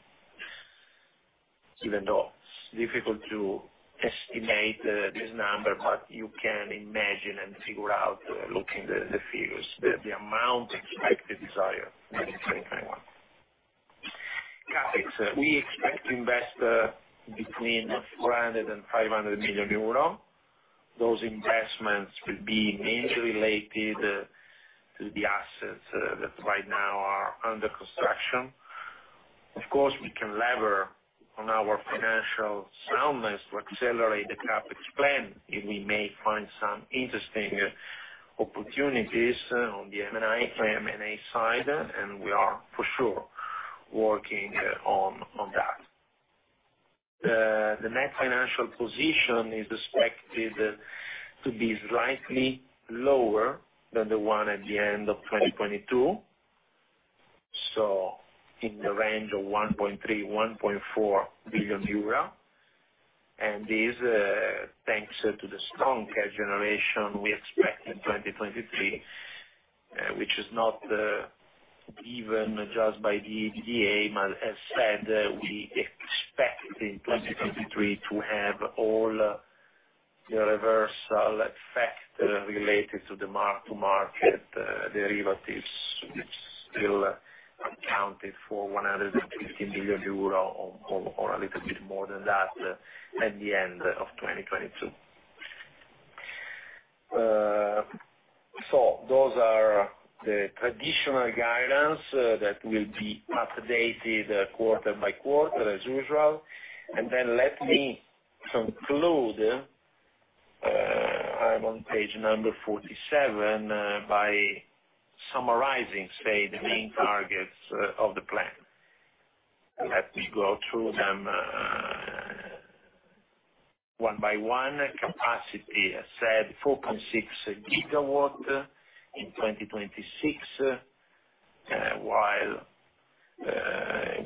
Even though it's difficult to estimate this number, but you can imagine and figure out looking the figures, the amount expected desire in 2021. CapEx, we expect to invest between 400 million-500 million euro. Those investments will be mainly related to the assets that right now are under construction. Of course, we can lever on our financial soundness to accelerate the CapEx plan, if we may find some interesting opportunities on the M&A side, and we are for sure working on that. The net financial position is expected to be slightly lower than the one at the end of 2022. In the range of 1.3 billion-1.4 billion euro. This thanks to the strong cash generation we expect in 2023, which is not even adjusted by the EBITDA. As said, we expect in 2023 to have all the reversal effect related to the mark-to-market derivatives, which still accounted for 150 million euro or a little bit more than that at the end of 2022. Those are the traditional guidance that will be updated quarter by quarter as usual. Let me conclude, I'm on page number 47, by summarizing, say, the main targets of the plan. Let me go through them one by one. Capacity, I said 4.6 GW in 2026, while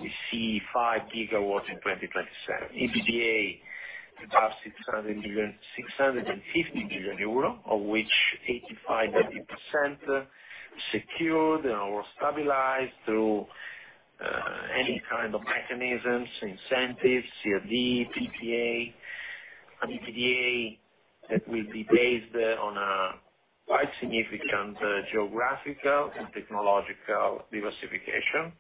we see 5 GW in 2027. EBITDA, about EUR 600 billion, EUR 650 billion, of which 80% secured or stabilized through any kind of mechanisms, incentives, CFD, PPA, and EBITDA that will be based on a quite significant geographical and technological diversification.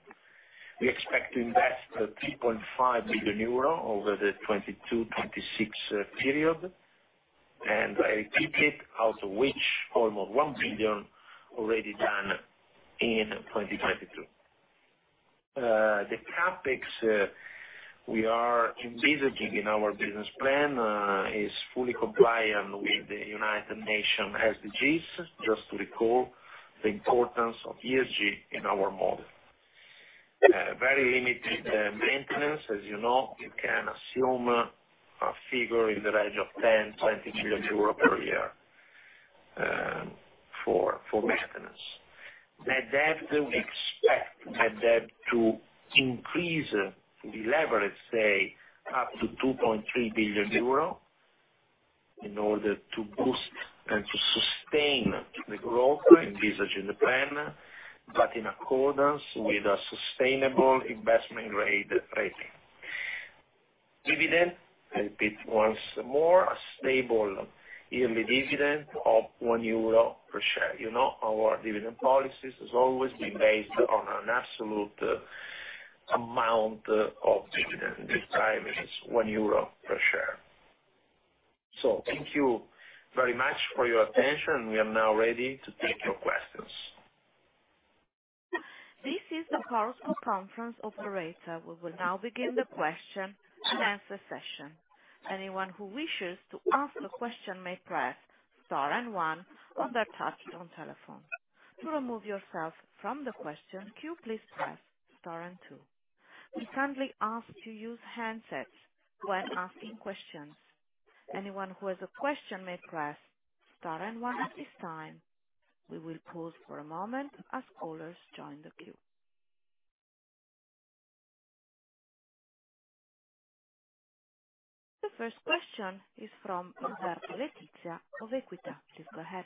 We expect to invest 3.5 billion euro over the 2022-2026 period. I repeat, out of which almost 1 billion already done in 2022. The CapEx we are envisaging in our business plan is fully compliant with the United Nations SDGs, just to recall the importance of ESG in our model. Very limited maintenance. As you know, you can assume a figure in the range of 10 million-20 million euros per year for maintenance. Net debt, we expect net debt to increase the leverage, say, up to 2.3 billion euro in order to boost and to sustain the growth envisaged in the plan, but in accordance with a sustainable investment grade rating. Dividend, I repeat once more, a stable yearly dividend of 1 euro per share. You know our dividend policy has always been based on an absolute amount of dividend, which currently is 1 euro per share. Thank you very much for your attention. We are now ready to take your questions. This is the Chorus Call conference operator. We will now begin the question-and-answer session. Anyone who wishes to ask a question may press star and one on their touchtone telephone. To remove yourself from the question queue, please press star and two. We kindly ask to use handsets when asking questions. Anyone who has a question may press star and one at this time. We will pause for a moment as callers join the queue. The first question is from Roberto Letizia of Equita. Please go ahead.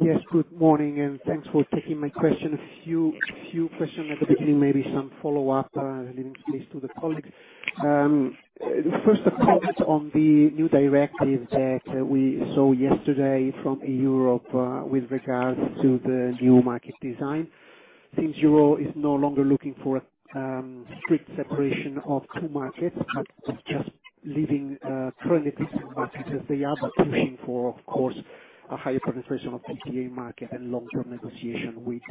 Yes, good morning, and thanks for taking my question. A few questions at the beginning, maybe some follow-up, leaving space to the colleagues. First, a comment on the new directive that we saw yesterday from Europe, with regards to the new market design. Since Europe is no longer looking for a strict separation of two markets, but just leaving currently different markets as they are, but pushing for, of course, a higher penetration of PPA market and long-term negotiation with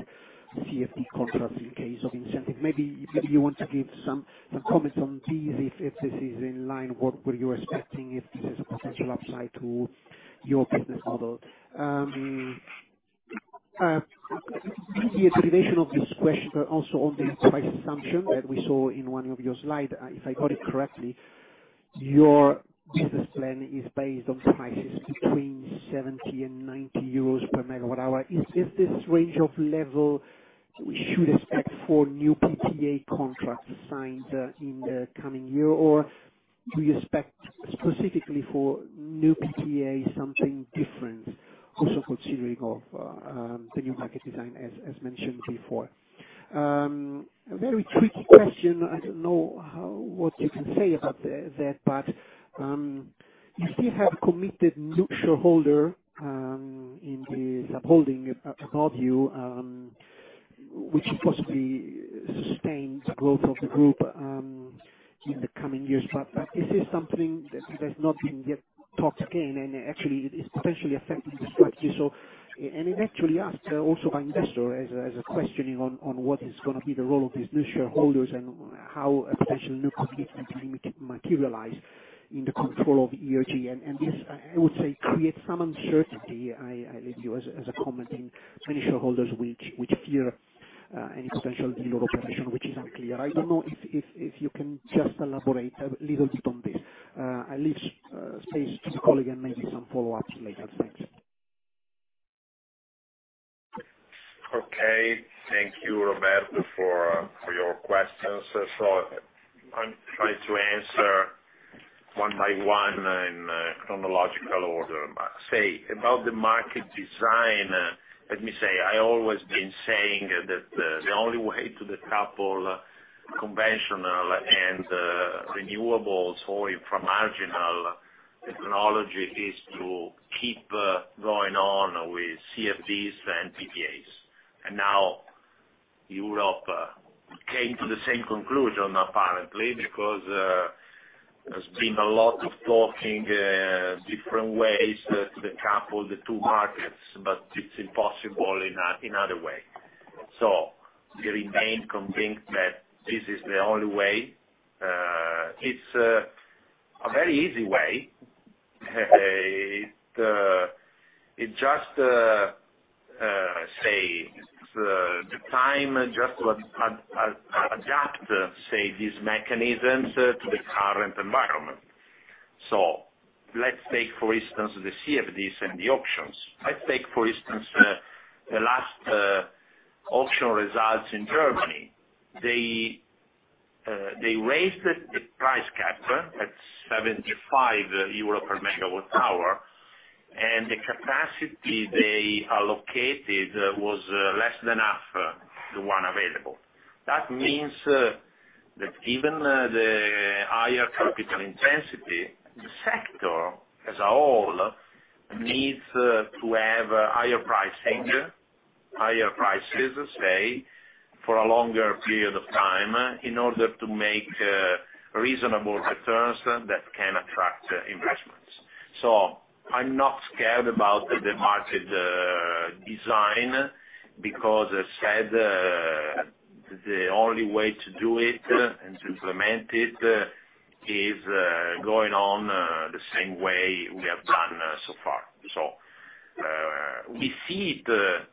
CFD contracts in case of incentive. Maybe you want to give some comments on these if this is in line, what were you expecting, if this is a potential upside to your business model? In the explanation of this question, but also on the price assumption that we saw in one of your slide, if I got it correctly, your business plan is based on prices between 70 and 90 euros per MWh. Is this range of level we should expect for new PPA contracts signed in the coming year? Do you expect specifically for new PPA something different, also considering of the new market design as mentioned before? A very tricky question. I don't know how what you can say about that, but you still have a committed new shareholder in the sub-holding above you, which possibly sustains growth of the group in the coming years. Is this something that has not been yet talked again, and actually it is potentially affecting the strategy? It actually asked also by investor as a questioning on what is gonna be the role of these new shareholders and how a potential new commitment materialize in the control of ERG. This, I would say, creates some uncertainty, I leave you as a comment, and many shareholders which fear any potential deal or operation which is unclear. I don't know if you can just elaborate a little bit on this. I leave space to the colleague and maybe some follow-ups later. Thanks. Okay. Thank you, Roberto, for your questions. I'll try to answer one by one in chronological order. Say, about the market design, let me say, I always been saying that the only way to decouple conventional and renewables or from marginal technology is to keep going on with CFDs and PPAs. Now Europe came to the same conclusion, apparently, because there's been a lot of talking, different ways that decouple the two markets, but it's impossible in another way. We remain convinced that this is the only way. It's a very easy way. It just, say, the time just to adapt, say, these mechanisms to the current environment. Let's take for instance, the CFDs and the auctions. Let's take for instance, the last auction results in Germany. They raised the price cap at 75 euro per MWh, the capacity they allocated was less than half the one available. That means that even the higher capital intensity, the sector as a whole needs to have higher prices, say, for a longer period of time in order to make reasonable returns that can attract investments. I'm not scared about the market design, because as said, the only way to do it and to implement it is going on the same way we have done so far. We see it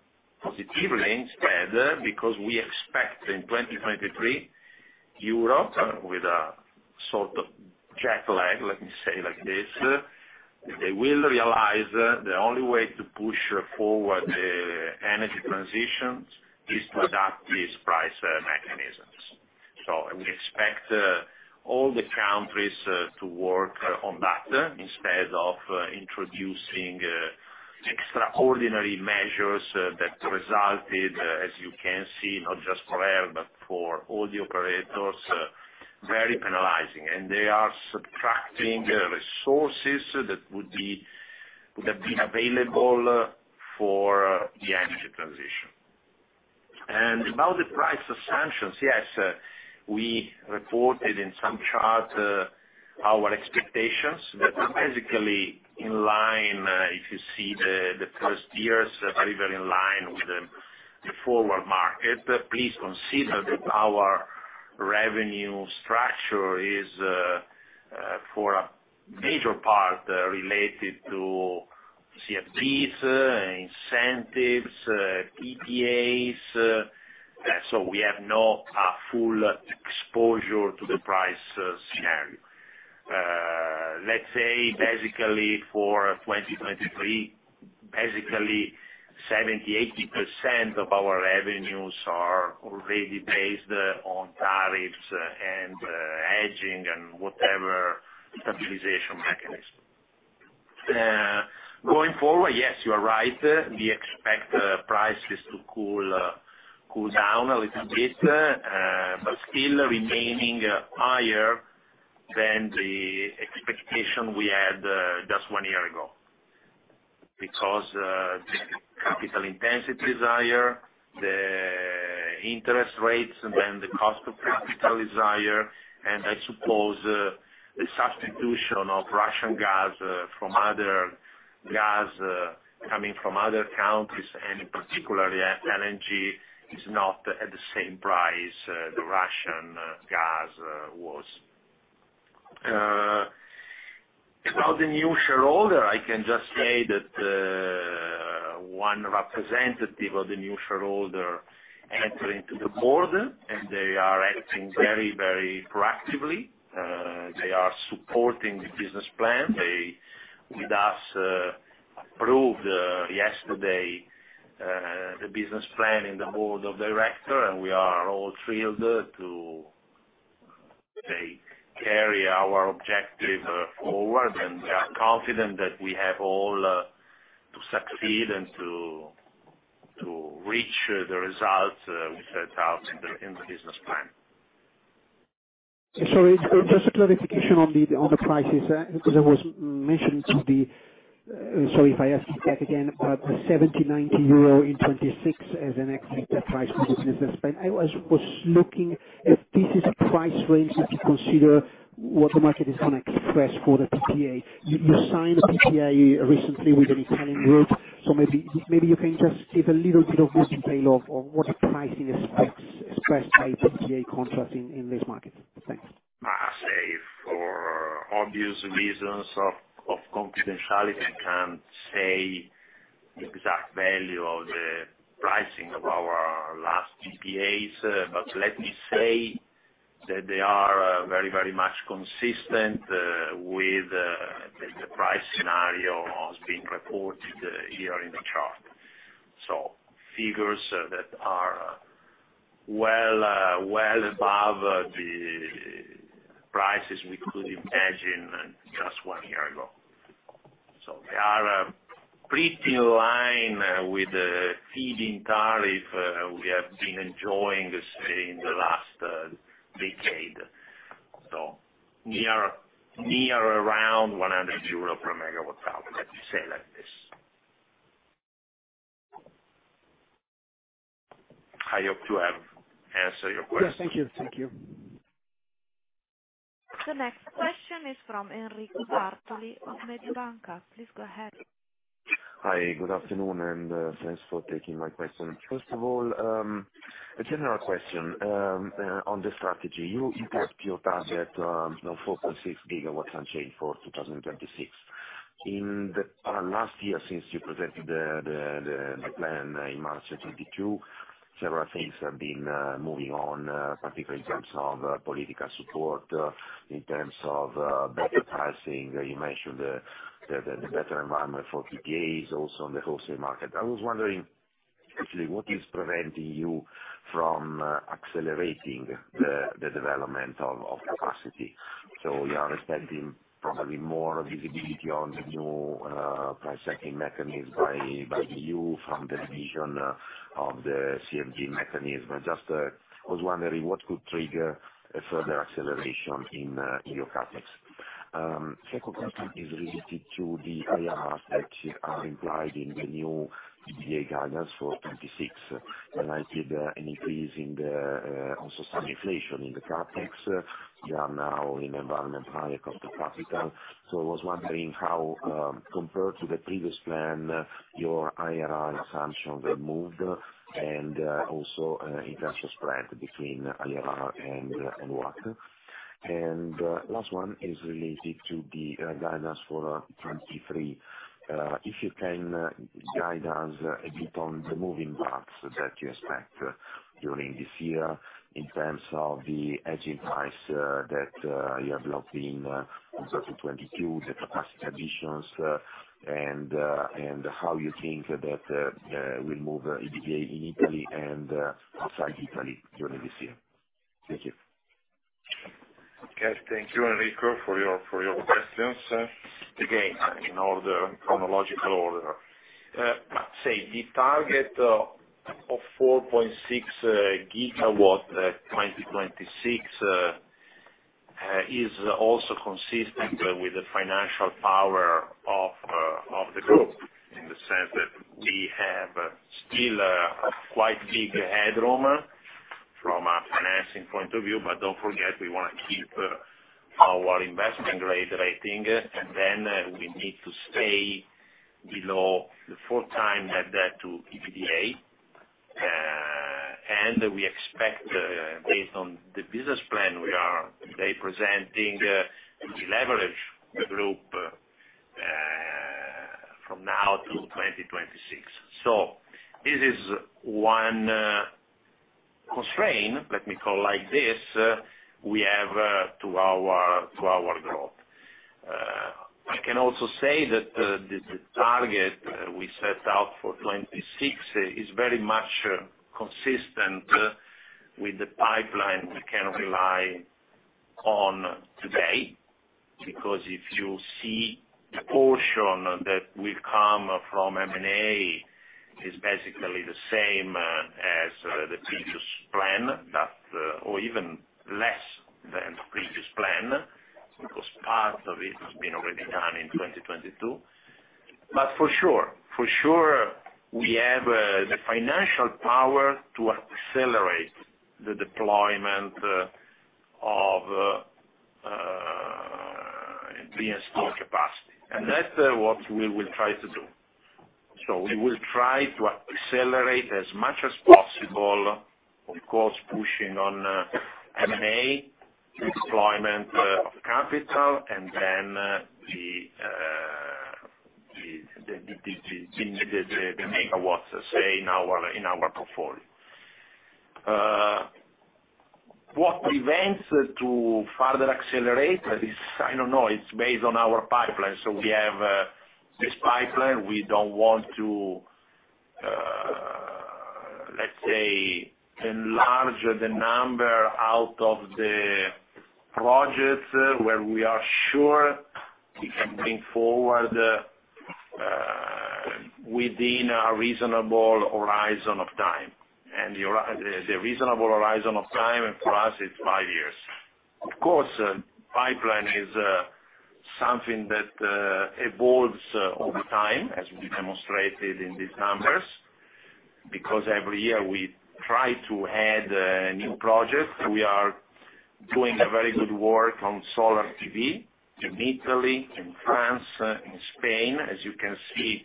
positively instead, because we expect in 2023, Europe with a sort of jet lag, let me say like this, they will realize the only way to push forward the energy transitions is to adapt these price mechanisms. We expect all the countries to work on that instead of introducing extraordinary measures that resulted, as you can see, not just for ERG, but for all the operators, very penalizing. They are subtracting resources that would have been available for the energy transition. About the price assumptions, yes, we reported in some chart our expectations that are basically in line, if you see the first years, very in line with the forward market. Please consider that our revenue structure is for a major part related to CFDs, incentives, PPAs. We have no full exposure to the price scenario. Let's say basically for 2023, basically 70%-80% of our revenues are already based on tariffs and hedging and whatever stabilization mechanism. Going forward, yes, you are right. We expect prices to cool down a little bit, but still remaining higher than the expectation we had just one year ago. Capital intensity is higher, the interest rates and then the cost of capital is higher, and I suppose the substitution of Russian gas from other gas coming from other countries, and particularly LNG, is not at the same price the Russian gas was. About the new shareholder, I can just say that one representative of the new shareholder enter into the board, and they are acting very, very proactively. They are supporting the business plan. They, with us, approved, yesterday, the business plan in the Board of Director. We are all thrilled to, say, carry our objective forward. We are confident that we have all to succeed and to reach the results we set out in the business plan. Sorry, just a clarification on the prices. Sorry if I ask that again, the 70-90 euro in 2026 as an exit price for the business plan. I was looking if this is a price range that you consider what the market is gonna express for the PPA. You signed a PPA recently with an Italian group, maybe you can just give a little bit of detail on what the pricing expressed by PPA contracts in this market. Thanks. I say for obvious reasons of confidentiality, I can't say the exact value of the pricing of our last PPAs, but let me say that they are very much consistent with the price scenario as being reported here in the chart. Figures that are well above the prices we could imagine just one year ago. They are pretty in line with the Feed-in Tariff we have been enjoying, say, in the last decade. Near around 100 euro per MWh. Let me say like this. I hope to have answered your question. Yes, thank you. Thank you. The next question is from Enrico Bartoli of Mediobanca. Please go ahead. Hi, good afternoon, thanks for taking my question. First of all, a general question on the strategy. You kept your target, you know, 4.6 GW unchanged for 2026. In the last year, since you presented the plan in March 2022, several things have been moving on, particularly in terms of political support, in terms of better pricing. You mentioned the better environment for PPAs, also on the wholesale market. I was wondering actually what is preventing you from accelerating the development of capacity. You are expecting probably more visibility on the new price-setting mechanism by the EU from the revision of the CFD mechanism. Just was wondering what could trigger a further acceleration in your CapEx. Second question is related to the IRRs that are implied in the new PPA guidance for 2026. I see an increase in also some inflation in the CapEx. You are now in environment higher cost of capital. I was wondering how, compared to the previous plan, your IRR assumptions were moved, and also interest spread between IRR and WACC. Last one is related to the guidance for 2023. If you can guide us a bit on the moving parts that you expect during this year in terms of the hedging price that you have locked in in 2022, the capacity additions, and how you think that will move EBITDA in Italy and outside Italy during this year. Thank you. Okay, thank you, Enrico, for your questions. Again, in order, chronological order. The target of 4.6 GW at 2026 is also consistent with the financial power of the group, in the sense that we have still a quite big headroom from a financing point of view. Don't forget, we wanna keep our investment grade rating, and then we need to stay below the 4x net debt to EBITDA. We expect, based on the business plan we are today presenting, to deleverage the group now to 2026. This is one constraint, let me call like this, we have to our growth. I can also say that the target we set out for 2026 is very much consistent with the pipeline we can rely on today, because if you see the portion that will come from M&A is basically the same as the previous plan, or even less than the previous plan, because part of it has been already done in 2022. For sure, we have the financial power to accelerate the deployment of the installed capacity. That's what we will try to do. We will try to accelerate as much as possible, of course, pushing on M&A deployment of capital, and then the megawatts, let's say, in our, in our portfolio. What prevents to further accelerate is, I don't know, it's based on our pipeline. We have this pipeline, we don't want to let's say enlarge the number out of the projects where we are sure we can bring forward within a reasonable horizon of time. The reasonable horizon of time for us is five years. Of course, pipeline is something that evolves over time, as we demonstrated in these numbers, because every year we try to add new projects. We are doing a very good work on Solar PV in Italy, in France, in Spain. As you can see,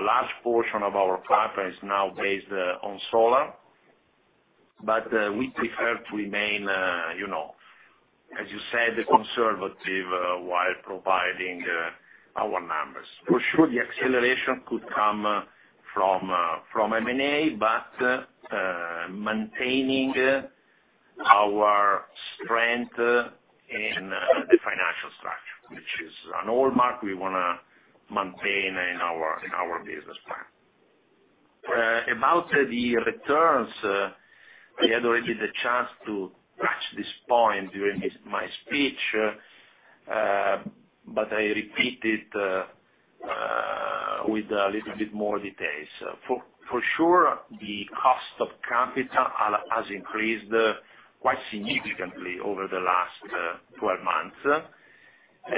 a large portion of our pipeline is now based on solar. We prefer to remain, you know, as you said, conservative while providing our numbers. For sure, the acceleration could come from M&A, but maintaining our strength in the financial structure, which is an hallmark we want to maintain in our business plan. About the returns, I had already the chance to touch this point during my speech, but I repeat it with a little bit more details. For sure, the cost of capital has increased quite significantly over the last 12 months.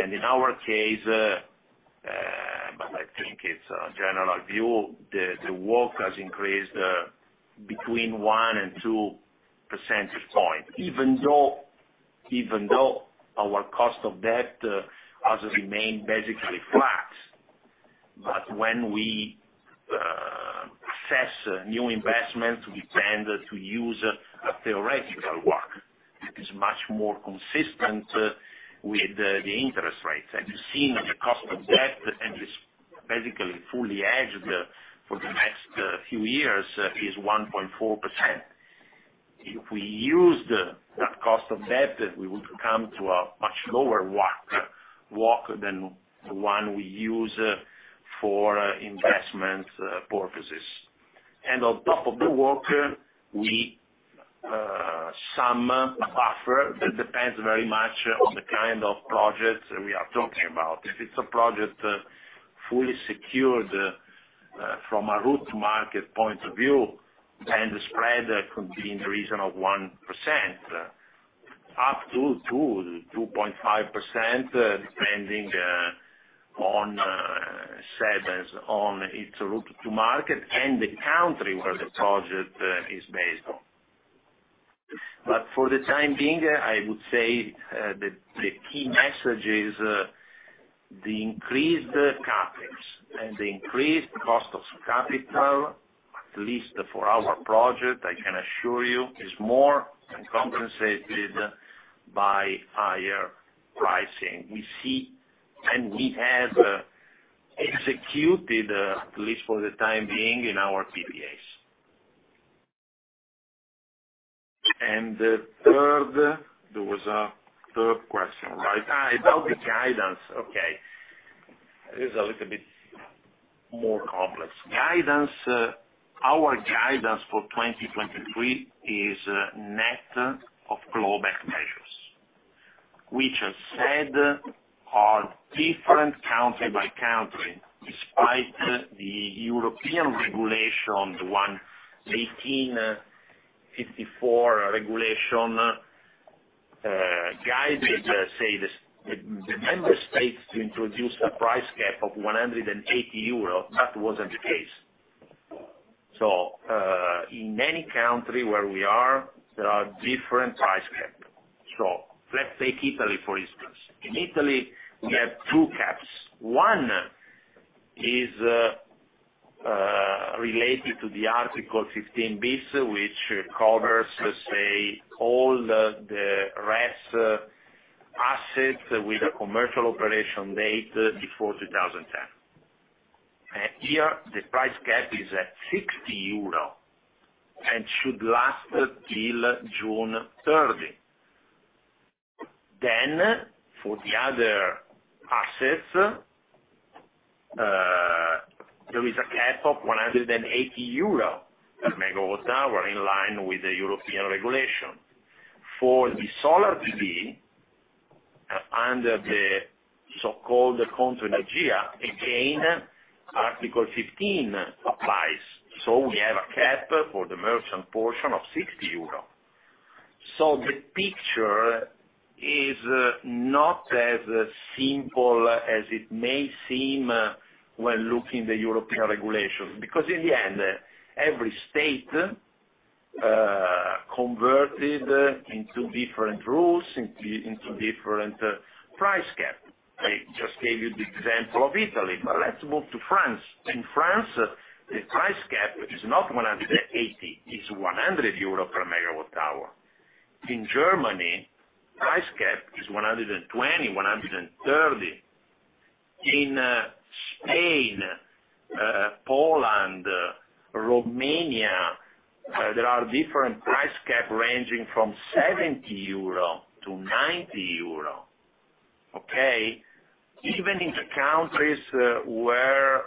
In our case, but I think it's a general view, the WACC has increased between one and two percentage point, even though our cost of debt has remained basically flat. When we assess new investment, we tend to use a theoretical WACC. It is much more consistent with the interest rates. Seeing the cost of debt, and it's basically fully hedged for the next few years, is 1.4%. If we used that cost of debt, we would come to a much lower WACC than the one we use for investment purposes. On top of the WACC, we some buffer that depends very much on the kind of projects we are talking about. If it's a project fully secured from a root to market point of view, then the spread could be in the region of 1%, up to 2.5%, depending on seven on its root to market and the country where the project is based on. For the time being, I would say, the key message is, the increased CapEx and the increased cost of capital, at least for our project, I can assure you, is more than compensated by higher pricing. We see, and we have executed, at least for the time being, in our PPAs. The third, there was a third question, right? About the guidance. Okay. It is a little bit more complex. Guidance, our guidance for 2023 is net of global measures, which as said, are different country by country, despite the European regulation, Regulation (EU) 2022/1854, guided, say, the member states to introduce a price cap of 180 euro. That wasn't the case. In many country where we are, there are different price cap. Let's take Italy, for instance. In Italy, we have two caps. One is related to the Article 15bis which covers, let's say, all the rest assets with a commercial operation date before 2010. Here, the price cap is at 60 euro and should last till June 30. For the other assets, there is a cap of 180 euro per MWh, in line with the European regulation. For the Solar PV, under the so-called Conto Energia, again, Article 15 applies. We have a cap for the merchant portion of 60 euro. The picture is not as simple as it may seem when looking the European regulation. In the end, every state converted into different rules, into different price cap. I just gave you the example of Italy, but let's move to France. In France, the price cap, which is not 180 per MWh, is EUR 100 per MWh. In Germany, price cap is 120, 130. In Spain, Poland, Romania, there are different price cap ranging from 70-90 euro. Okay. Even in the countries where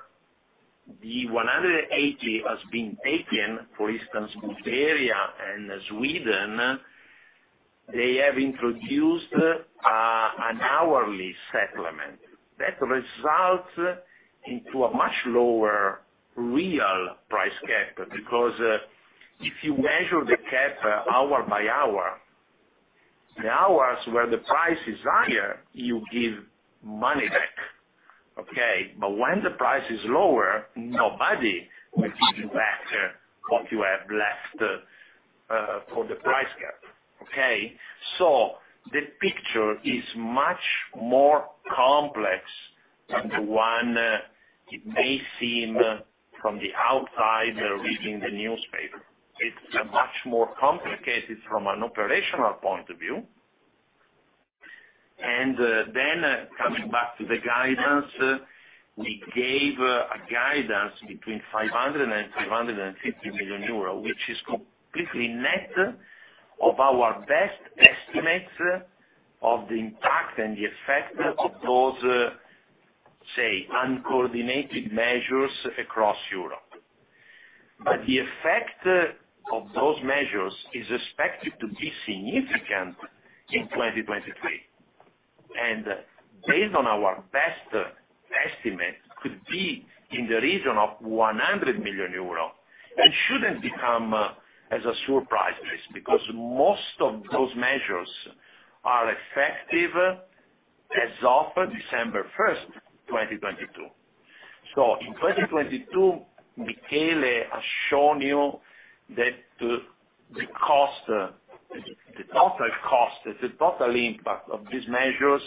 the MWh 180 has been taken, for instance, Bulgaria and Sweden, they have introduced an hourly settlement that results into a much lower real price cap. Because if you measure the cap hour by hour, the hours where the price is higher, you give money back. Okay. When the price is lower, nobody will give you back what you have left for the price cap. Okay. So the picture is much more complex than the one it may seem from the outside reading the newspaper. It's much more complicated from an operational point of view. Coming back to the guidance, we gave a guidance between 500 million-550 million euros, which is completely net of our best estimates of the impact and the effect of those, say, uncoordinated measures across Europe. The effect of those measures is expected to be significant in 2023, and based on our best estimate, could be in the region of 100 million euro, and shouldn't become as a surprise risk because most of those measures are effective as of December 1st, 2022. In 2022, Michele has shown you that the cost, the total cost, the total impact of these measures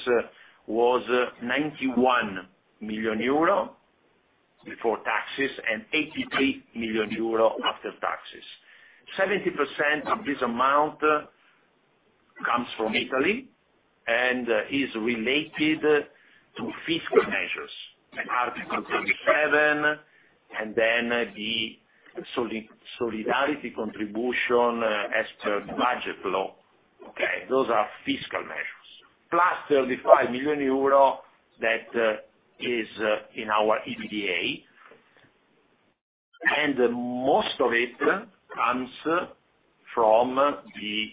was 91 million euro before taxes and 83 million euro after taxes. 70% of this amount comes from Italy and is related to fiscal measures, Article 27, and the Solidarity Contribution as per the budget law. Okay. Those are fiscal measures. Plus 35 million euro that is in our EBITDA. Most of it comes from the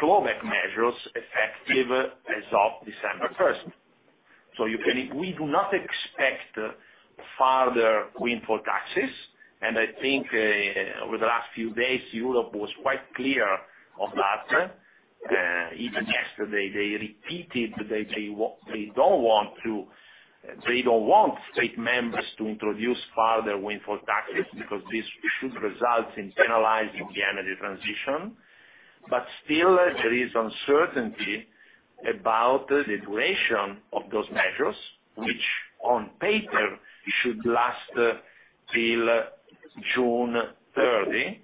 clawback measures effective as of December first. You can. We do not expect further windfall taxes, and I think over the last few days, Europe was quite clear on that. Even yesterday, they repeated that they don't want state members to introduce further windfall taxes because this should result in penalizing the energy transition. Still, there is uncertainty about the duration of those measures, which on paper should last till June 30.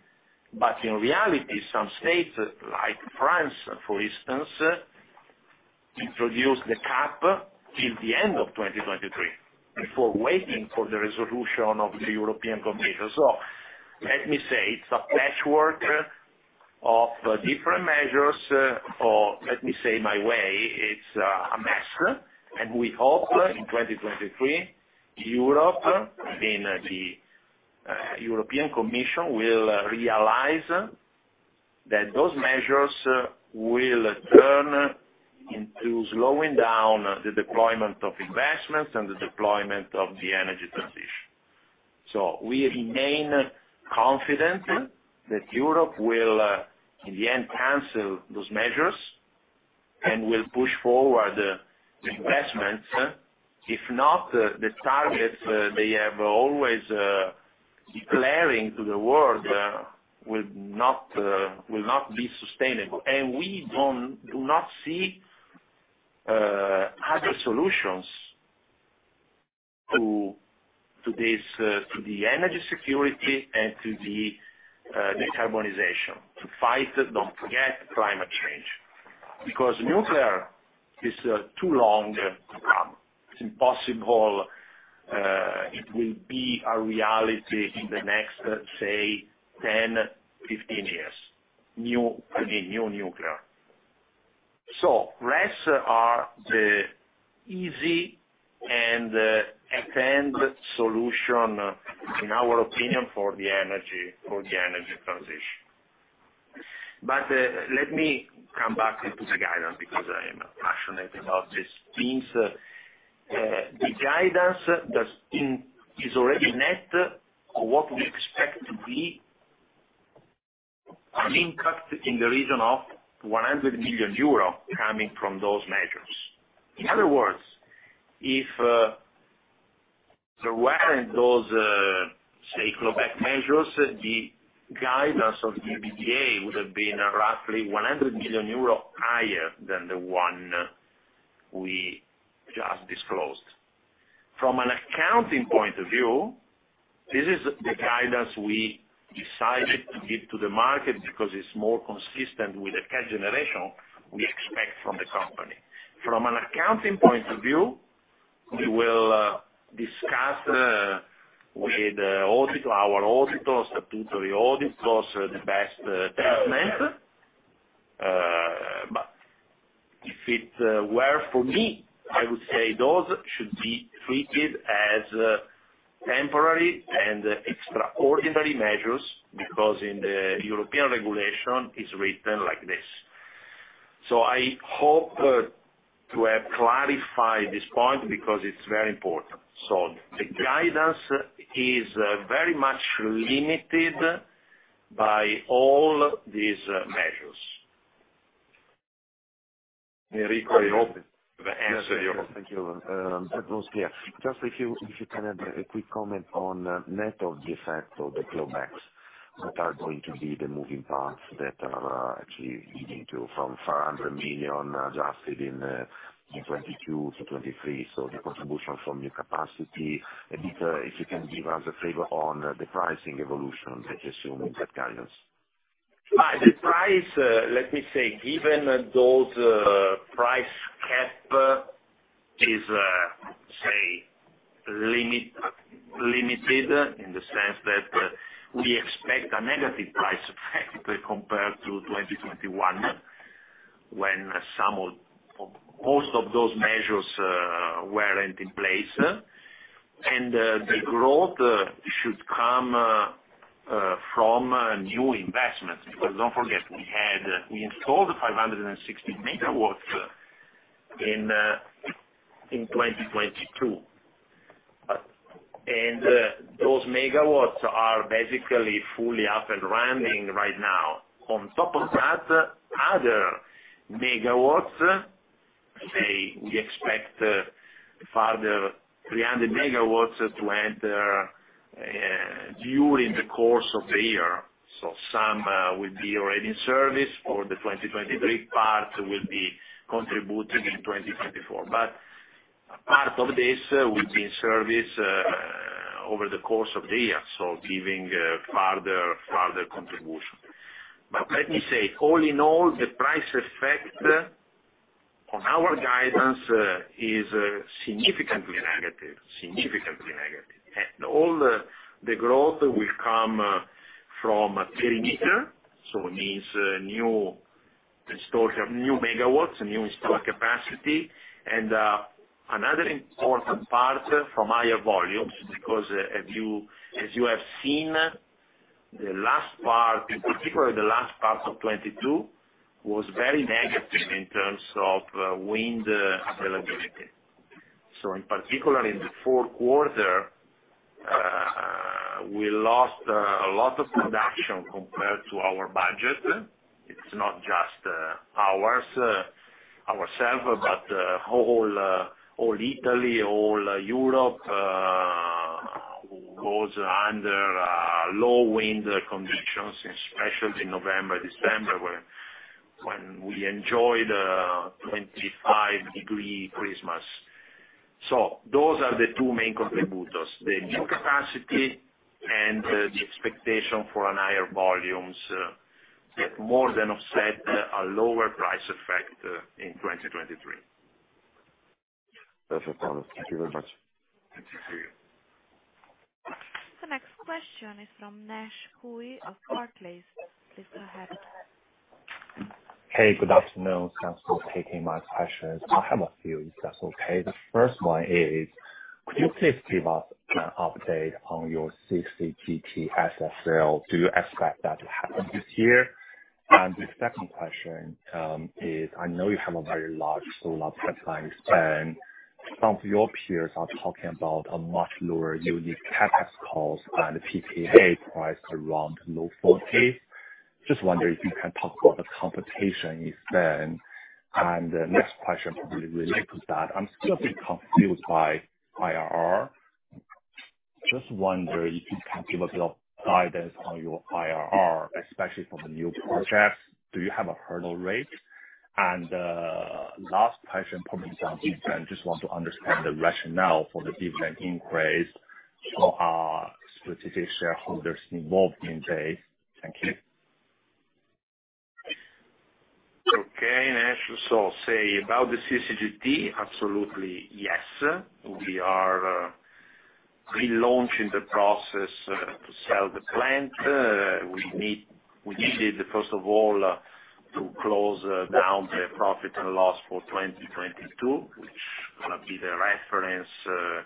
In reality, some states, like France, for instance, introduced the cap till the end of 2023 before waiting for the resolution of the European Commission. Let me say it's a patchwork of different measures, or let me say my way, it's a mess, and we hope in 2023, Europe, I mean, the European Commission, will realize that those measures will turn into slowing down the deployment of investments and the deployment of the energy transition. We remain confident that Europe will, in the end, cancel those measures and will push forward investments. If not, the targets they have always declaring to the world will not be sustainable. We do not see other solutions to this, to the energy security and to the decarbonization. To fight, don't forget, climate change. Because nuclear is too long to come. It's impossible, it will be a reality in the next, say, 10 years, 15 years. New, again, new nuclear. RES are the easy and at hand solution, in our opinion, for the energy, for the energy transition. Let me come back into the guidance because I am passionate about this. Means, the guidance is already net of what we expect to be an increase in the region of 100 million euro coming from those measures. In other words, if there weren't those, say, global measures, the guidance of the EBITDA would have been roughly 100 million euro higher than the one we just disclosed. From an accounting point of view, this is the guidance we decided to give to the market because it's more consistent with the cash generation we expect from the company. From an accounting point of view, we will discuss with our auditors, the two of the auditors, the best treatment, but if it were for me, I would say those should be treated as temporary and extraordinary measures, because in the European regulation it's written like this. I hope to have clarified this point because it's very important. The guidance is very much limited by all these measures. Enrico, I hope I've answered your. Yes, thank you. That was clear. Just if you can add a quick comment on net of the effect of the clawbacks that are going to be the moving parts that are actually leading to from 400 million adjusted in 2022 to 2023. The contribution from new capacity. If you can give us a favor on the pricing evolution that you assume in that guidance? The price, let me say, given those price cap is limited in the sense that we expect a negative price effect compared to 2021, when Most of those measures weren't in place. The growth should come from new investments. Don't forget, We installed 560 MW in 2022. Those megawatts are basically fully up and running right now. On top of that, other megawatts, say, we expect further 300 MW to enter during the course of the year. Some will be already in service for the 2023 part, will be contributing in 2024. Part of this will be in service over the course of the year, so giving further contribution. Let me say, all in all, the price effect on our guidance is significantly negative. All the growth will come from a perimeter, so means new installation, new megawatts, new installed capacity. Another important part from higher volumes, because as you have seen, the last part, in particular the last part of 2022, was very negative in terms of wind availability. In particular in the fourth quarter, we lost a lot of production compared to our budget. It's not just ours, ourselves, but whole all Italy, all Europe, was under low wind conditions, especially in November, December, when we enjoyed a 25 degree Christmas. Those are the two main contributors, the new capacity and the expectation for higher volumes that more than offset a lower price effect in 2023. Perfect, Paolo. Thank you very much. Thank you. The next question is from Naisheng Cui of Barclays. Please go ahead. Hey, good afternoon. Thanks for taking my questions. I have a few, if that's okay. The first one is, could you please give us an update on your CCGT asset sale? Do you expect that to happen this year? The second question is I know you have a very large solar pipeline spend. Some of your peers are talking about a much lower unique CapEx cost and a PPA price around low 40. Just wondering if you can talk about the competition you face. The next question probably related to that. I'm still a bit confused by IRR. Just wonder if you can give a little guidance on your IRR, especially for the new projects. Do you have a hurdle rate? Last question probably on dividend, just want to understand the rationale for the dividend increase for our strategic shareholders involved in there. Thank you. Okay, Naisheng. Say about the CCGT, absolutely yes. We are relaunching the process to sell the plant. We needed, first of all, to close down the profit and loss for 2022, which will be the reference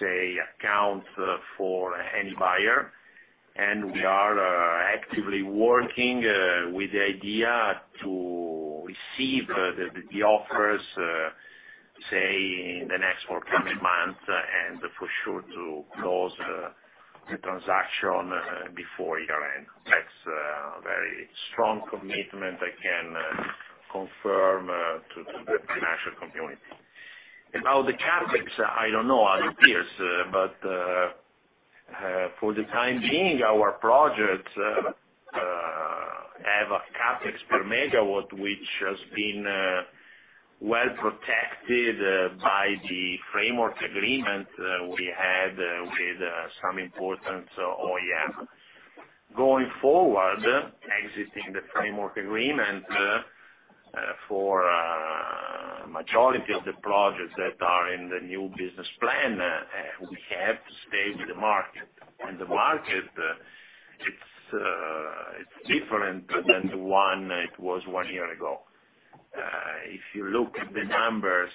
account for any buyer. We are actively working with the idea to receive the offers say in the next forthcoming months and for sure to close the transaction before year-end. That's a very strong commitment I can confirm to the financial community. About the CapEx, I don't know our peers, but for the time being, our projects have a CapEx per megawatt which has been well protected by the framework agreement we had with some important OEM. Going forward, exiting the framework agreement, for majority of the projects that are in the new business plan, we have to stay with the market. The market, it's different than the one it was one year ago. If you look at the numbers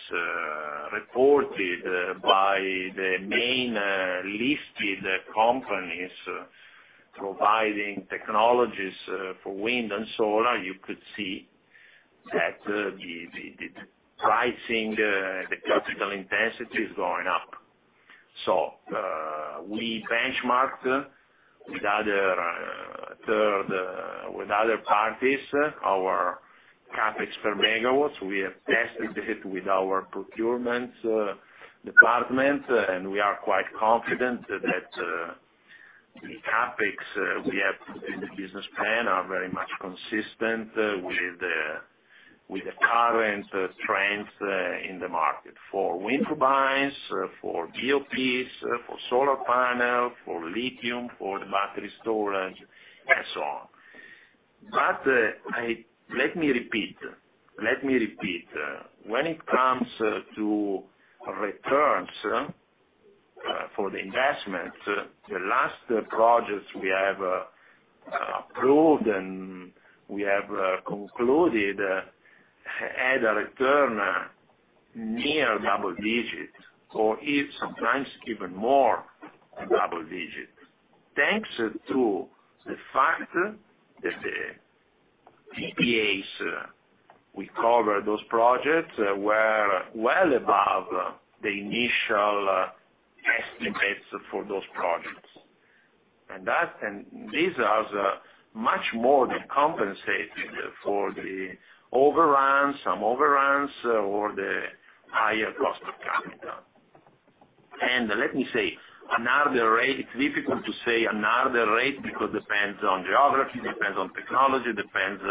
reported by the main listed companies providing technologies for wind and solar, you could see that the pricing, the capital intensity is going up. We benchmarked with other parties, our CapEx per megawatts. We have tested it with our procurement department, we are quite confident that the CapEx we have in the business plan are very much consistent with the, with the current trends in the market for wind turbines, for BOPs, for solar panel, for lithium, for the battery storage, and so on. Let me repeat. When it comes to returns for the investment, the last projects we have approved and we have concluded had a return near double-digit or is sometimes even more than double-digit. Thanks to the fact that the PPAs we cover those projects were well above the initial estimates for those projects. That, and this has much more than compensated for the overruns, some overruns or the higher cost of capital. Let me say, another rate. It's difficult to say another rate because depends on geography, depends on technology, depends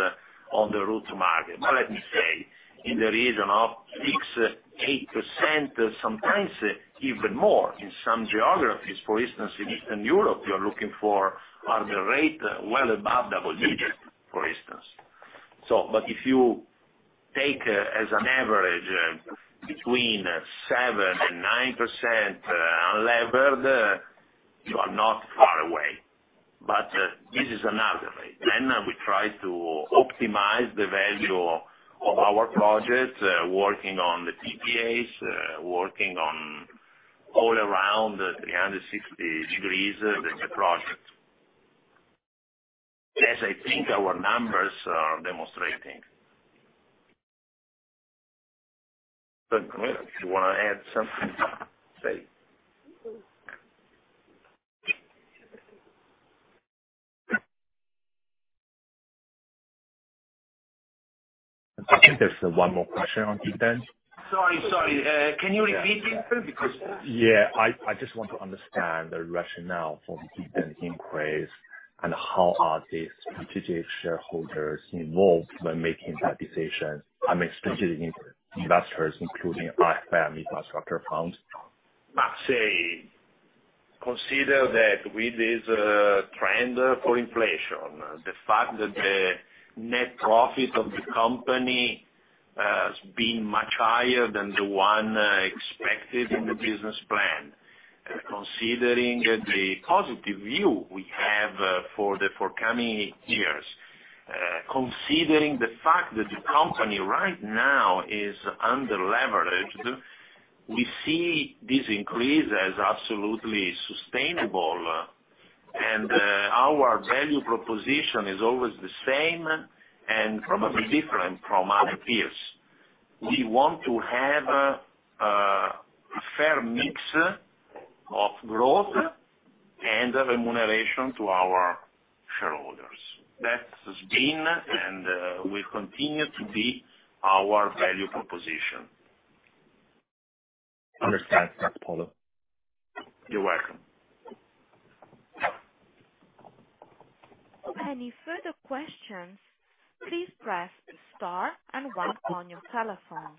on the route to market. Let me say, in the region of 6%-8%, sometimes even more. In some geographies, for instance, in Eastern Europe, you're looking for other rate well above double digits, for instance. If you take as an average between 7% and 9%, unlevered, you are not far away. This is another rate. We try to optimize the value of our projects, working on the PPAs, working on all around 360 degrees the project. As I think our numbers are demonstrating. Go ahead, if you want to add something, say it. I think there's one more question on dividend. Sorry. Can you repeat it please? Because- Yeah. I just want to understand the rationale for the dividend increase and how are the strategic shareholders involved when making that decision. I mean, strategic investors, including IFM Infrastructure Fund. I say, consider that with this trend for inflation, the fact that the net profit of the company has been much higher than the one expected in the business plan. Considering the positive view we have for the forthcoming years, considering the fact that the company right now is under-leveraged, we see this increase as absolutely sustainable, and our value proposition is always the same and probably different from our peers. We want to have a fair mix of growth and the remuneration to our shareholders. That has been and will continue to be our value proposition. Understand, Paolo. You're welcome. Any further questions, please press star and one on your telephone.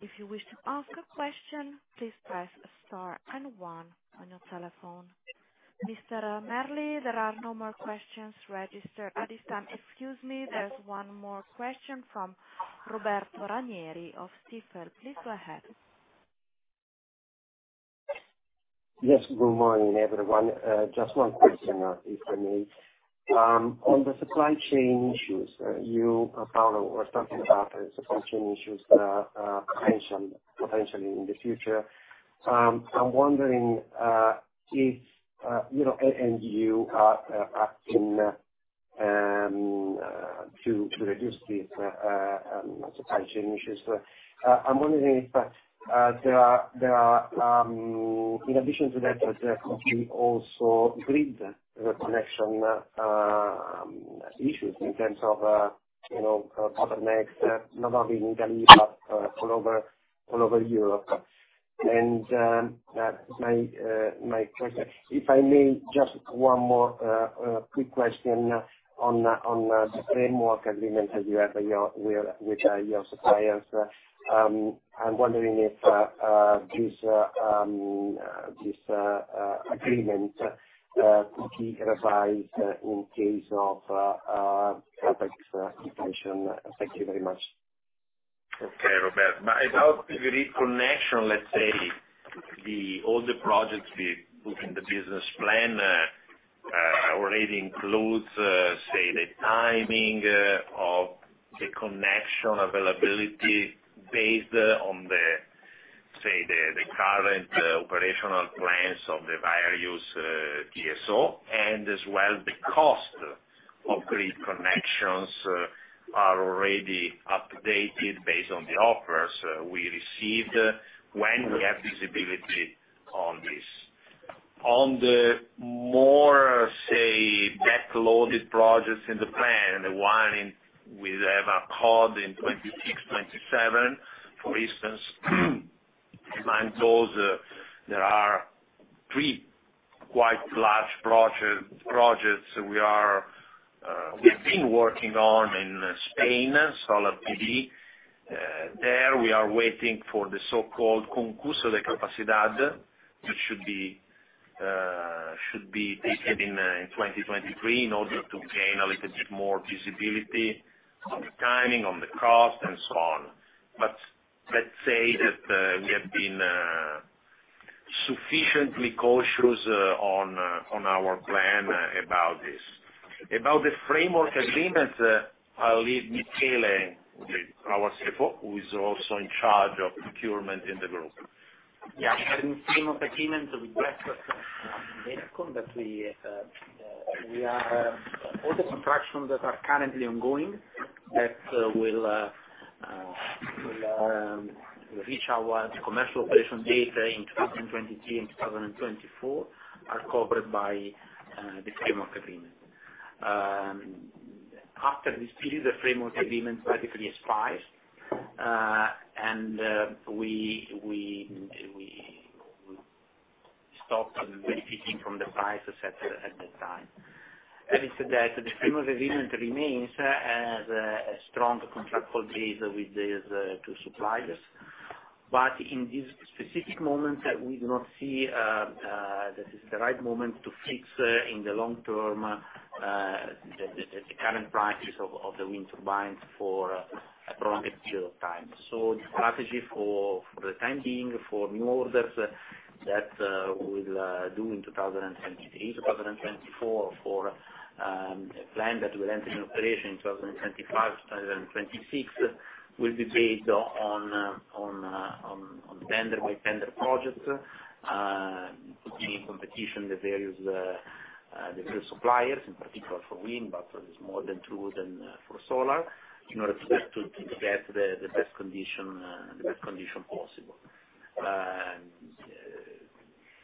If you wish to ask a question, please press star and one on your telephone. Mr. Merli, there are no more questions registered at this time. Excuse me, there's one more question from Roberto Ranieri of Stifel. Please go ahead. Yes. Good morning, everyone. Just one question, if I may. On the supply chain issues, you, Paolo, were talking about the supply chain issues potentially in the future. I'm wondering if, you know, and you are in to reduce these supply chain issues. I'm wondering if there are, in addition to that, there could be also grid connection issues in terms of, you know, bottlenecks, not only in Italy, but all over Europe. My question. If I may, just one more quick question on the framework agreement that you have with your suppliers. I'm wondering if this agreement could be revised in case of CapEx inflation. Thank you very much. Okay, Roberto. My thought with grid connection, let's say the All the projects we put in the business plan already includes say the timing of the connection availability based on the say the the current operational plans of the various DSO, as well the cost of grid connections are already updated based on the offers we received when we have visibility on this. On the more, say, backloaded projects in the plan, the one in, we have accord in 2026, 2027, for instance, among those, there are three quite large projects we are we've been working on in Spain, Solar PV. There we are waiting for the so-called Concurso de Capacidad, which should be taken in 2023 in order to gain a little bit more visibility on the timing, on the cost, and so on. But let's say that we have been sufficiently cautious on our plan about this. About the framework agreements, I'll leave Michele, our CFO, who is also in charge of procurement in the group. Yeah. In framework agreement with in ERG that we are, all the construction that are currently ongoing that will reach our commercial operation date in 2023 and 2024, are covered by the framework agreement. After this period, the framework agreement basically expires, and we stop benefiting from the prices set at that time. Having said that, the framework agreement remains as a strong contractual base with these two suppliers. In this specific moment, we do not see this is the right moment to fix in the long term the current prices of the wind turbines for a prolonged period of time. The strategy for the time being, for new orders that we'll do in 2023, 2024 for a plan that will enter in operation in 2025 to 2026, will be based on vendor, with vendor projects, putting in competition the various suppliers, in particular for wind, but there's more than two than for solar, in order to get the best condition possible.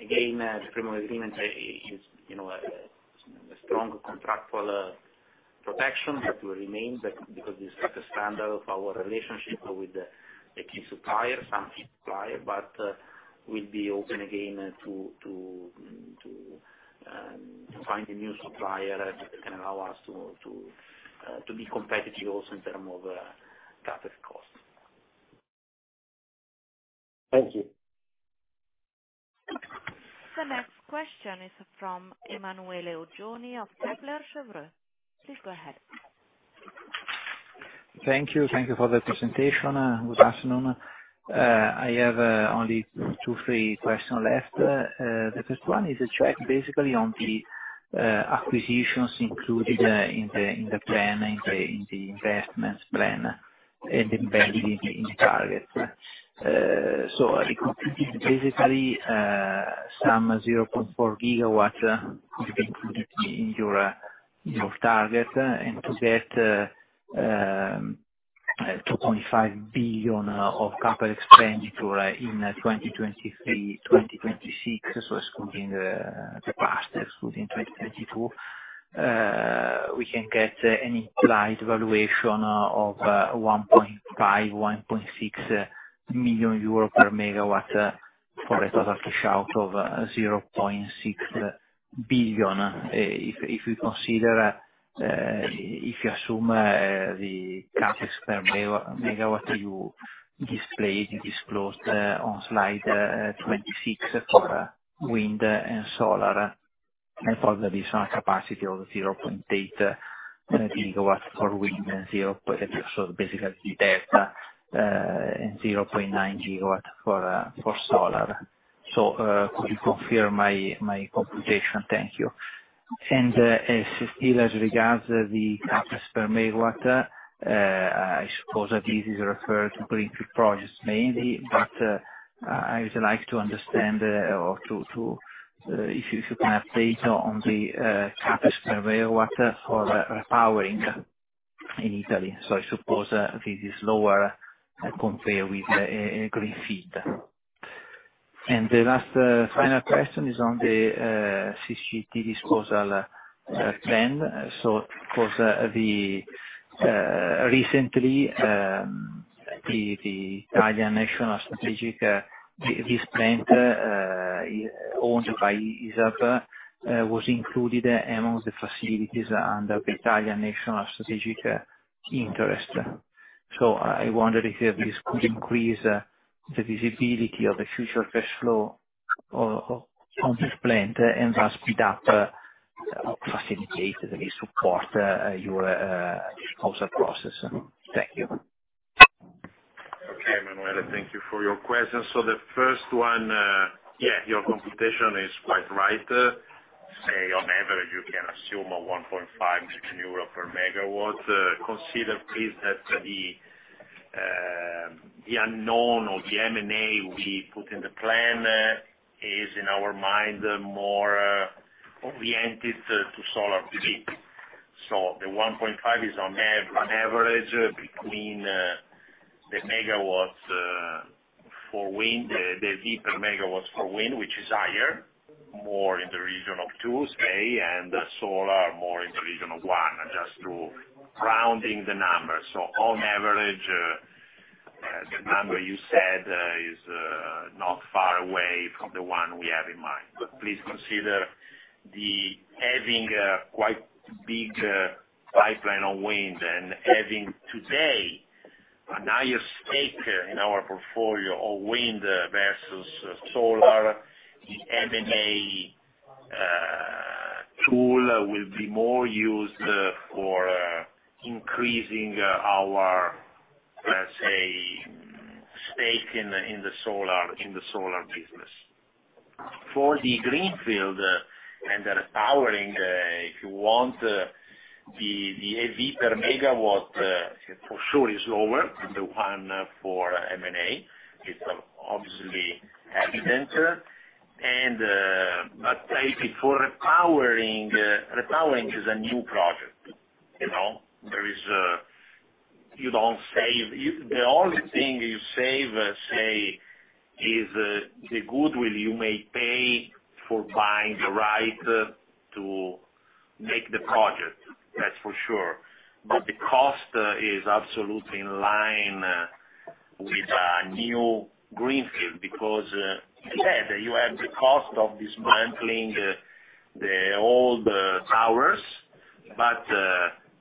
Again, the framework agreement is, you know, a strong contractual protection that will remain because it's the standard of our relationship with the, a key supplier, some key supplier, but we'll be open again to find a new supplier that can allow us to be competitive also in term of CapEx cost. Thank you. The next question is from Emanuele Gjoni of Kepler Cheuvreux. Please go ahead. Thank you. Thank you for the presentation. Good afternoon. I have only two, three question left. The first one is a check basically on the acquisitions included in the plan, in the investments plan. Embedded in target. Basically, some 0.4 GW have been included in your target, and to get 2.5 billion of capital expenditure in 2023-2026, so excluding the past, excluding 2022, we can get an implied valuation of 1.5 million-1.6 million euro per MW for a total cash out of 0.6 billion. If we consider, if you assume the CapEx per megawatt you displayed, you disclosed on slide 26 for Wind and Solar, and for the additional capacity of 0.8 GW for Wind and zero point... So basically that, and 0.9 GW for Solar. Could you confirm my computation? Thank you. Still as regards the CapEx per megawatt, I suppose that this is referred to greenfield projects mainly, but I would like to understand or to, if you can update on the CapEx per megawatt for repowering in Italy. So I suppose this is lower compared with a greenfield. The last final question is on the CCGT disposal plan. Of course, recently, the Italian National Strategic, this plant, owned by ISAB, was included among the facilities under the Italian National Strategic Interest. I wondered if this could increase the visibility of the future cash flow on this plant and thus speed up, or facilitate, at least support, your disposal process. Thank you. Okay, Emanuele. Thank you for your question. The first one, yeah, your computation is quite right. Say, on average, you can assume 1.5 million euro per MW. Consider please that the unknown or the M&A we put in the plan is in our mind more oriented to solar PV. The 1.5 million is on average between the megawatts for wind, the CapEx megawatts for wind, which is higher, more in the region of two, say, and solar more in the region of one, just to rounding the numbers. On average, the number you said is not far away from the one we have in mind. Please consider the having a quite big pipeline on Wind and having today a higher stake in our portfolio of Wind versus Solar, the M&A tool will be more used for increasing our, let's say, stake in the solar business. For the greenfield and repowering, if you want, the EV per megawatt, for sure is lower than the one for M&A. It's obviously evident. Before repowering is a new project. You know, there is, you don't save. The only thing you save, say, is the goodwill you may pay for buying the right to make the project. That's for sure. The cost is absolutely in line with a new greenfield because, like I said, you have the cost of dismantling the old towers,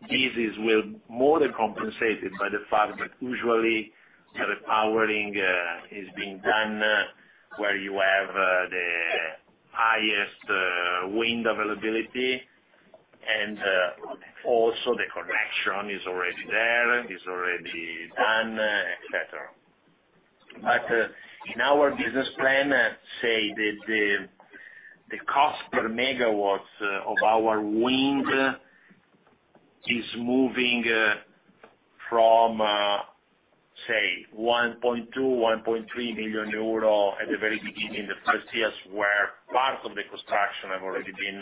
this is will more than compensated by the fact that usually the repowering is being done where you have the highest wind availability, and also the connection is already there, is already done, etc. In our business plan, say the cost-per-megawatts of our wind is moving from say 1.2 million-1.3 million euro at the very beginning, the first years, where parts of the construction have already been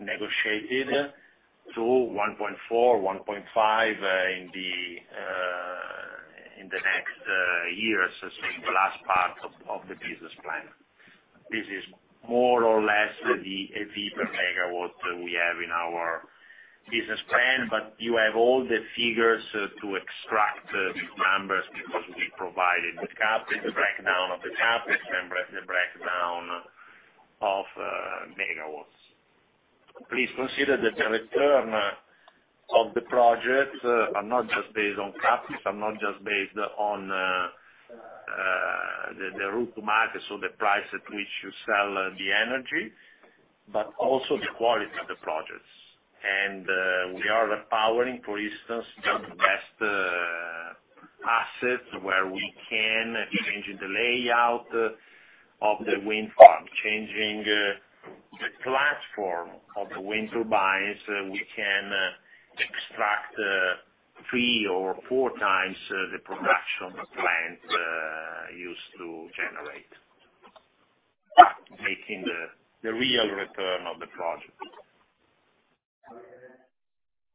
negotiated, to 1.4 million-1.5 million in the next years, so in the last part of the business plan. This is more or less the EV per megawatt that we have in our business plan. You have all the figures to extract these numbers because we provided the CAPEX, the breakdown of the CAPEX, and the breakdown of megawatts. Please consider that the return of the projects are not just based on CAPEX, are not just based on the route to market, so the price at which you sell the energy, but also the quality of the projects. We are repowering, for instance, the best assets where we can, changing the layout of the wind farm, changing the platform of the wind turbines, we can extract three or four times the production plant used to generate, making the real return of the project.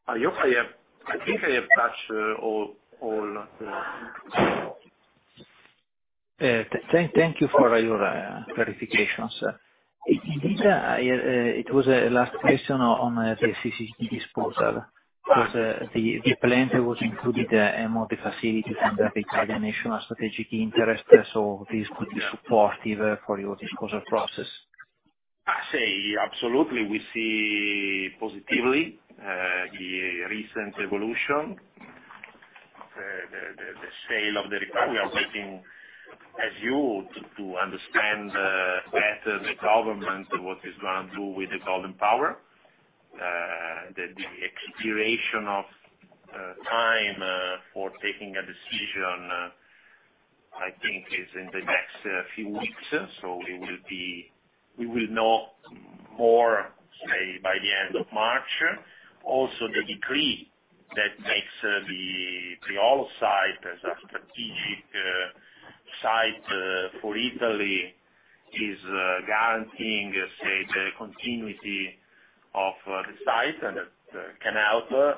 I hope I have... I think I have touched, all. Thank you for your clarifications. It was a last question on the CCGT disposal. The plant was included in one of the facility from the Italian National Strategic Interest. This could be supportive for your disposal process. I say absolutely, we see positively the recent evolution, the sale of the recovery. We are waiting, as you, to understand better the government, what is going to do with the Golden Power. The expiration of time for taking a decision, I think, is in the next few weeks. We will know more, say, by the end of March. Also, the decree that makes the old site as a strategic site for Italy is guaranteeing, say, the continuity of the site, and it can help.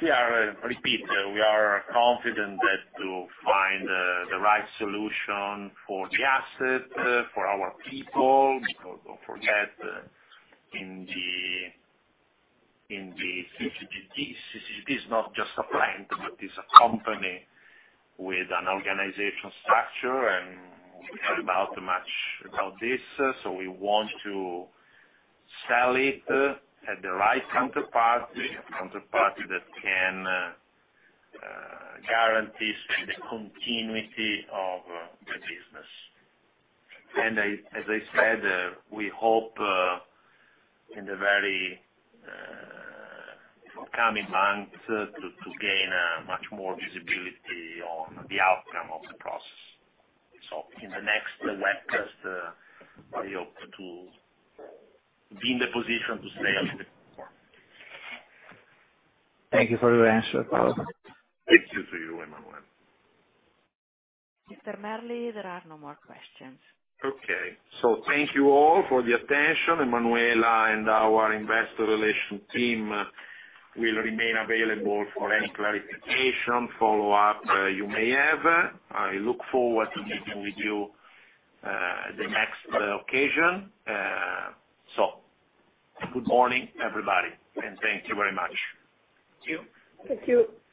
We are, repeat, we are confident that to find the right solution for the asset, for our people, don't forget, in the CCGT. CCGT is not just a plant, but is a company with an organization structure, and we heard much about this. We want to sell it at the right counterpart, a counterpart that can guarantee the continuity of the business. As I said, we hope in the very coming months to gain much more visibility on the outcome of the process. In the next webcast, I hope to be in the position to say a little more Thank you for your answer. Thank you to you, Emanuele. Mr. Merli, there are no more questions. Okay. Thank you all for the attention. Emanuele and our investor relations team will remain available for any clarification follow-up you may have. I look forward to meeting with you the next occasion. Good morning, everybody, and thank you very much. Thank you. Thank you.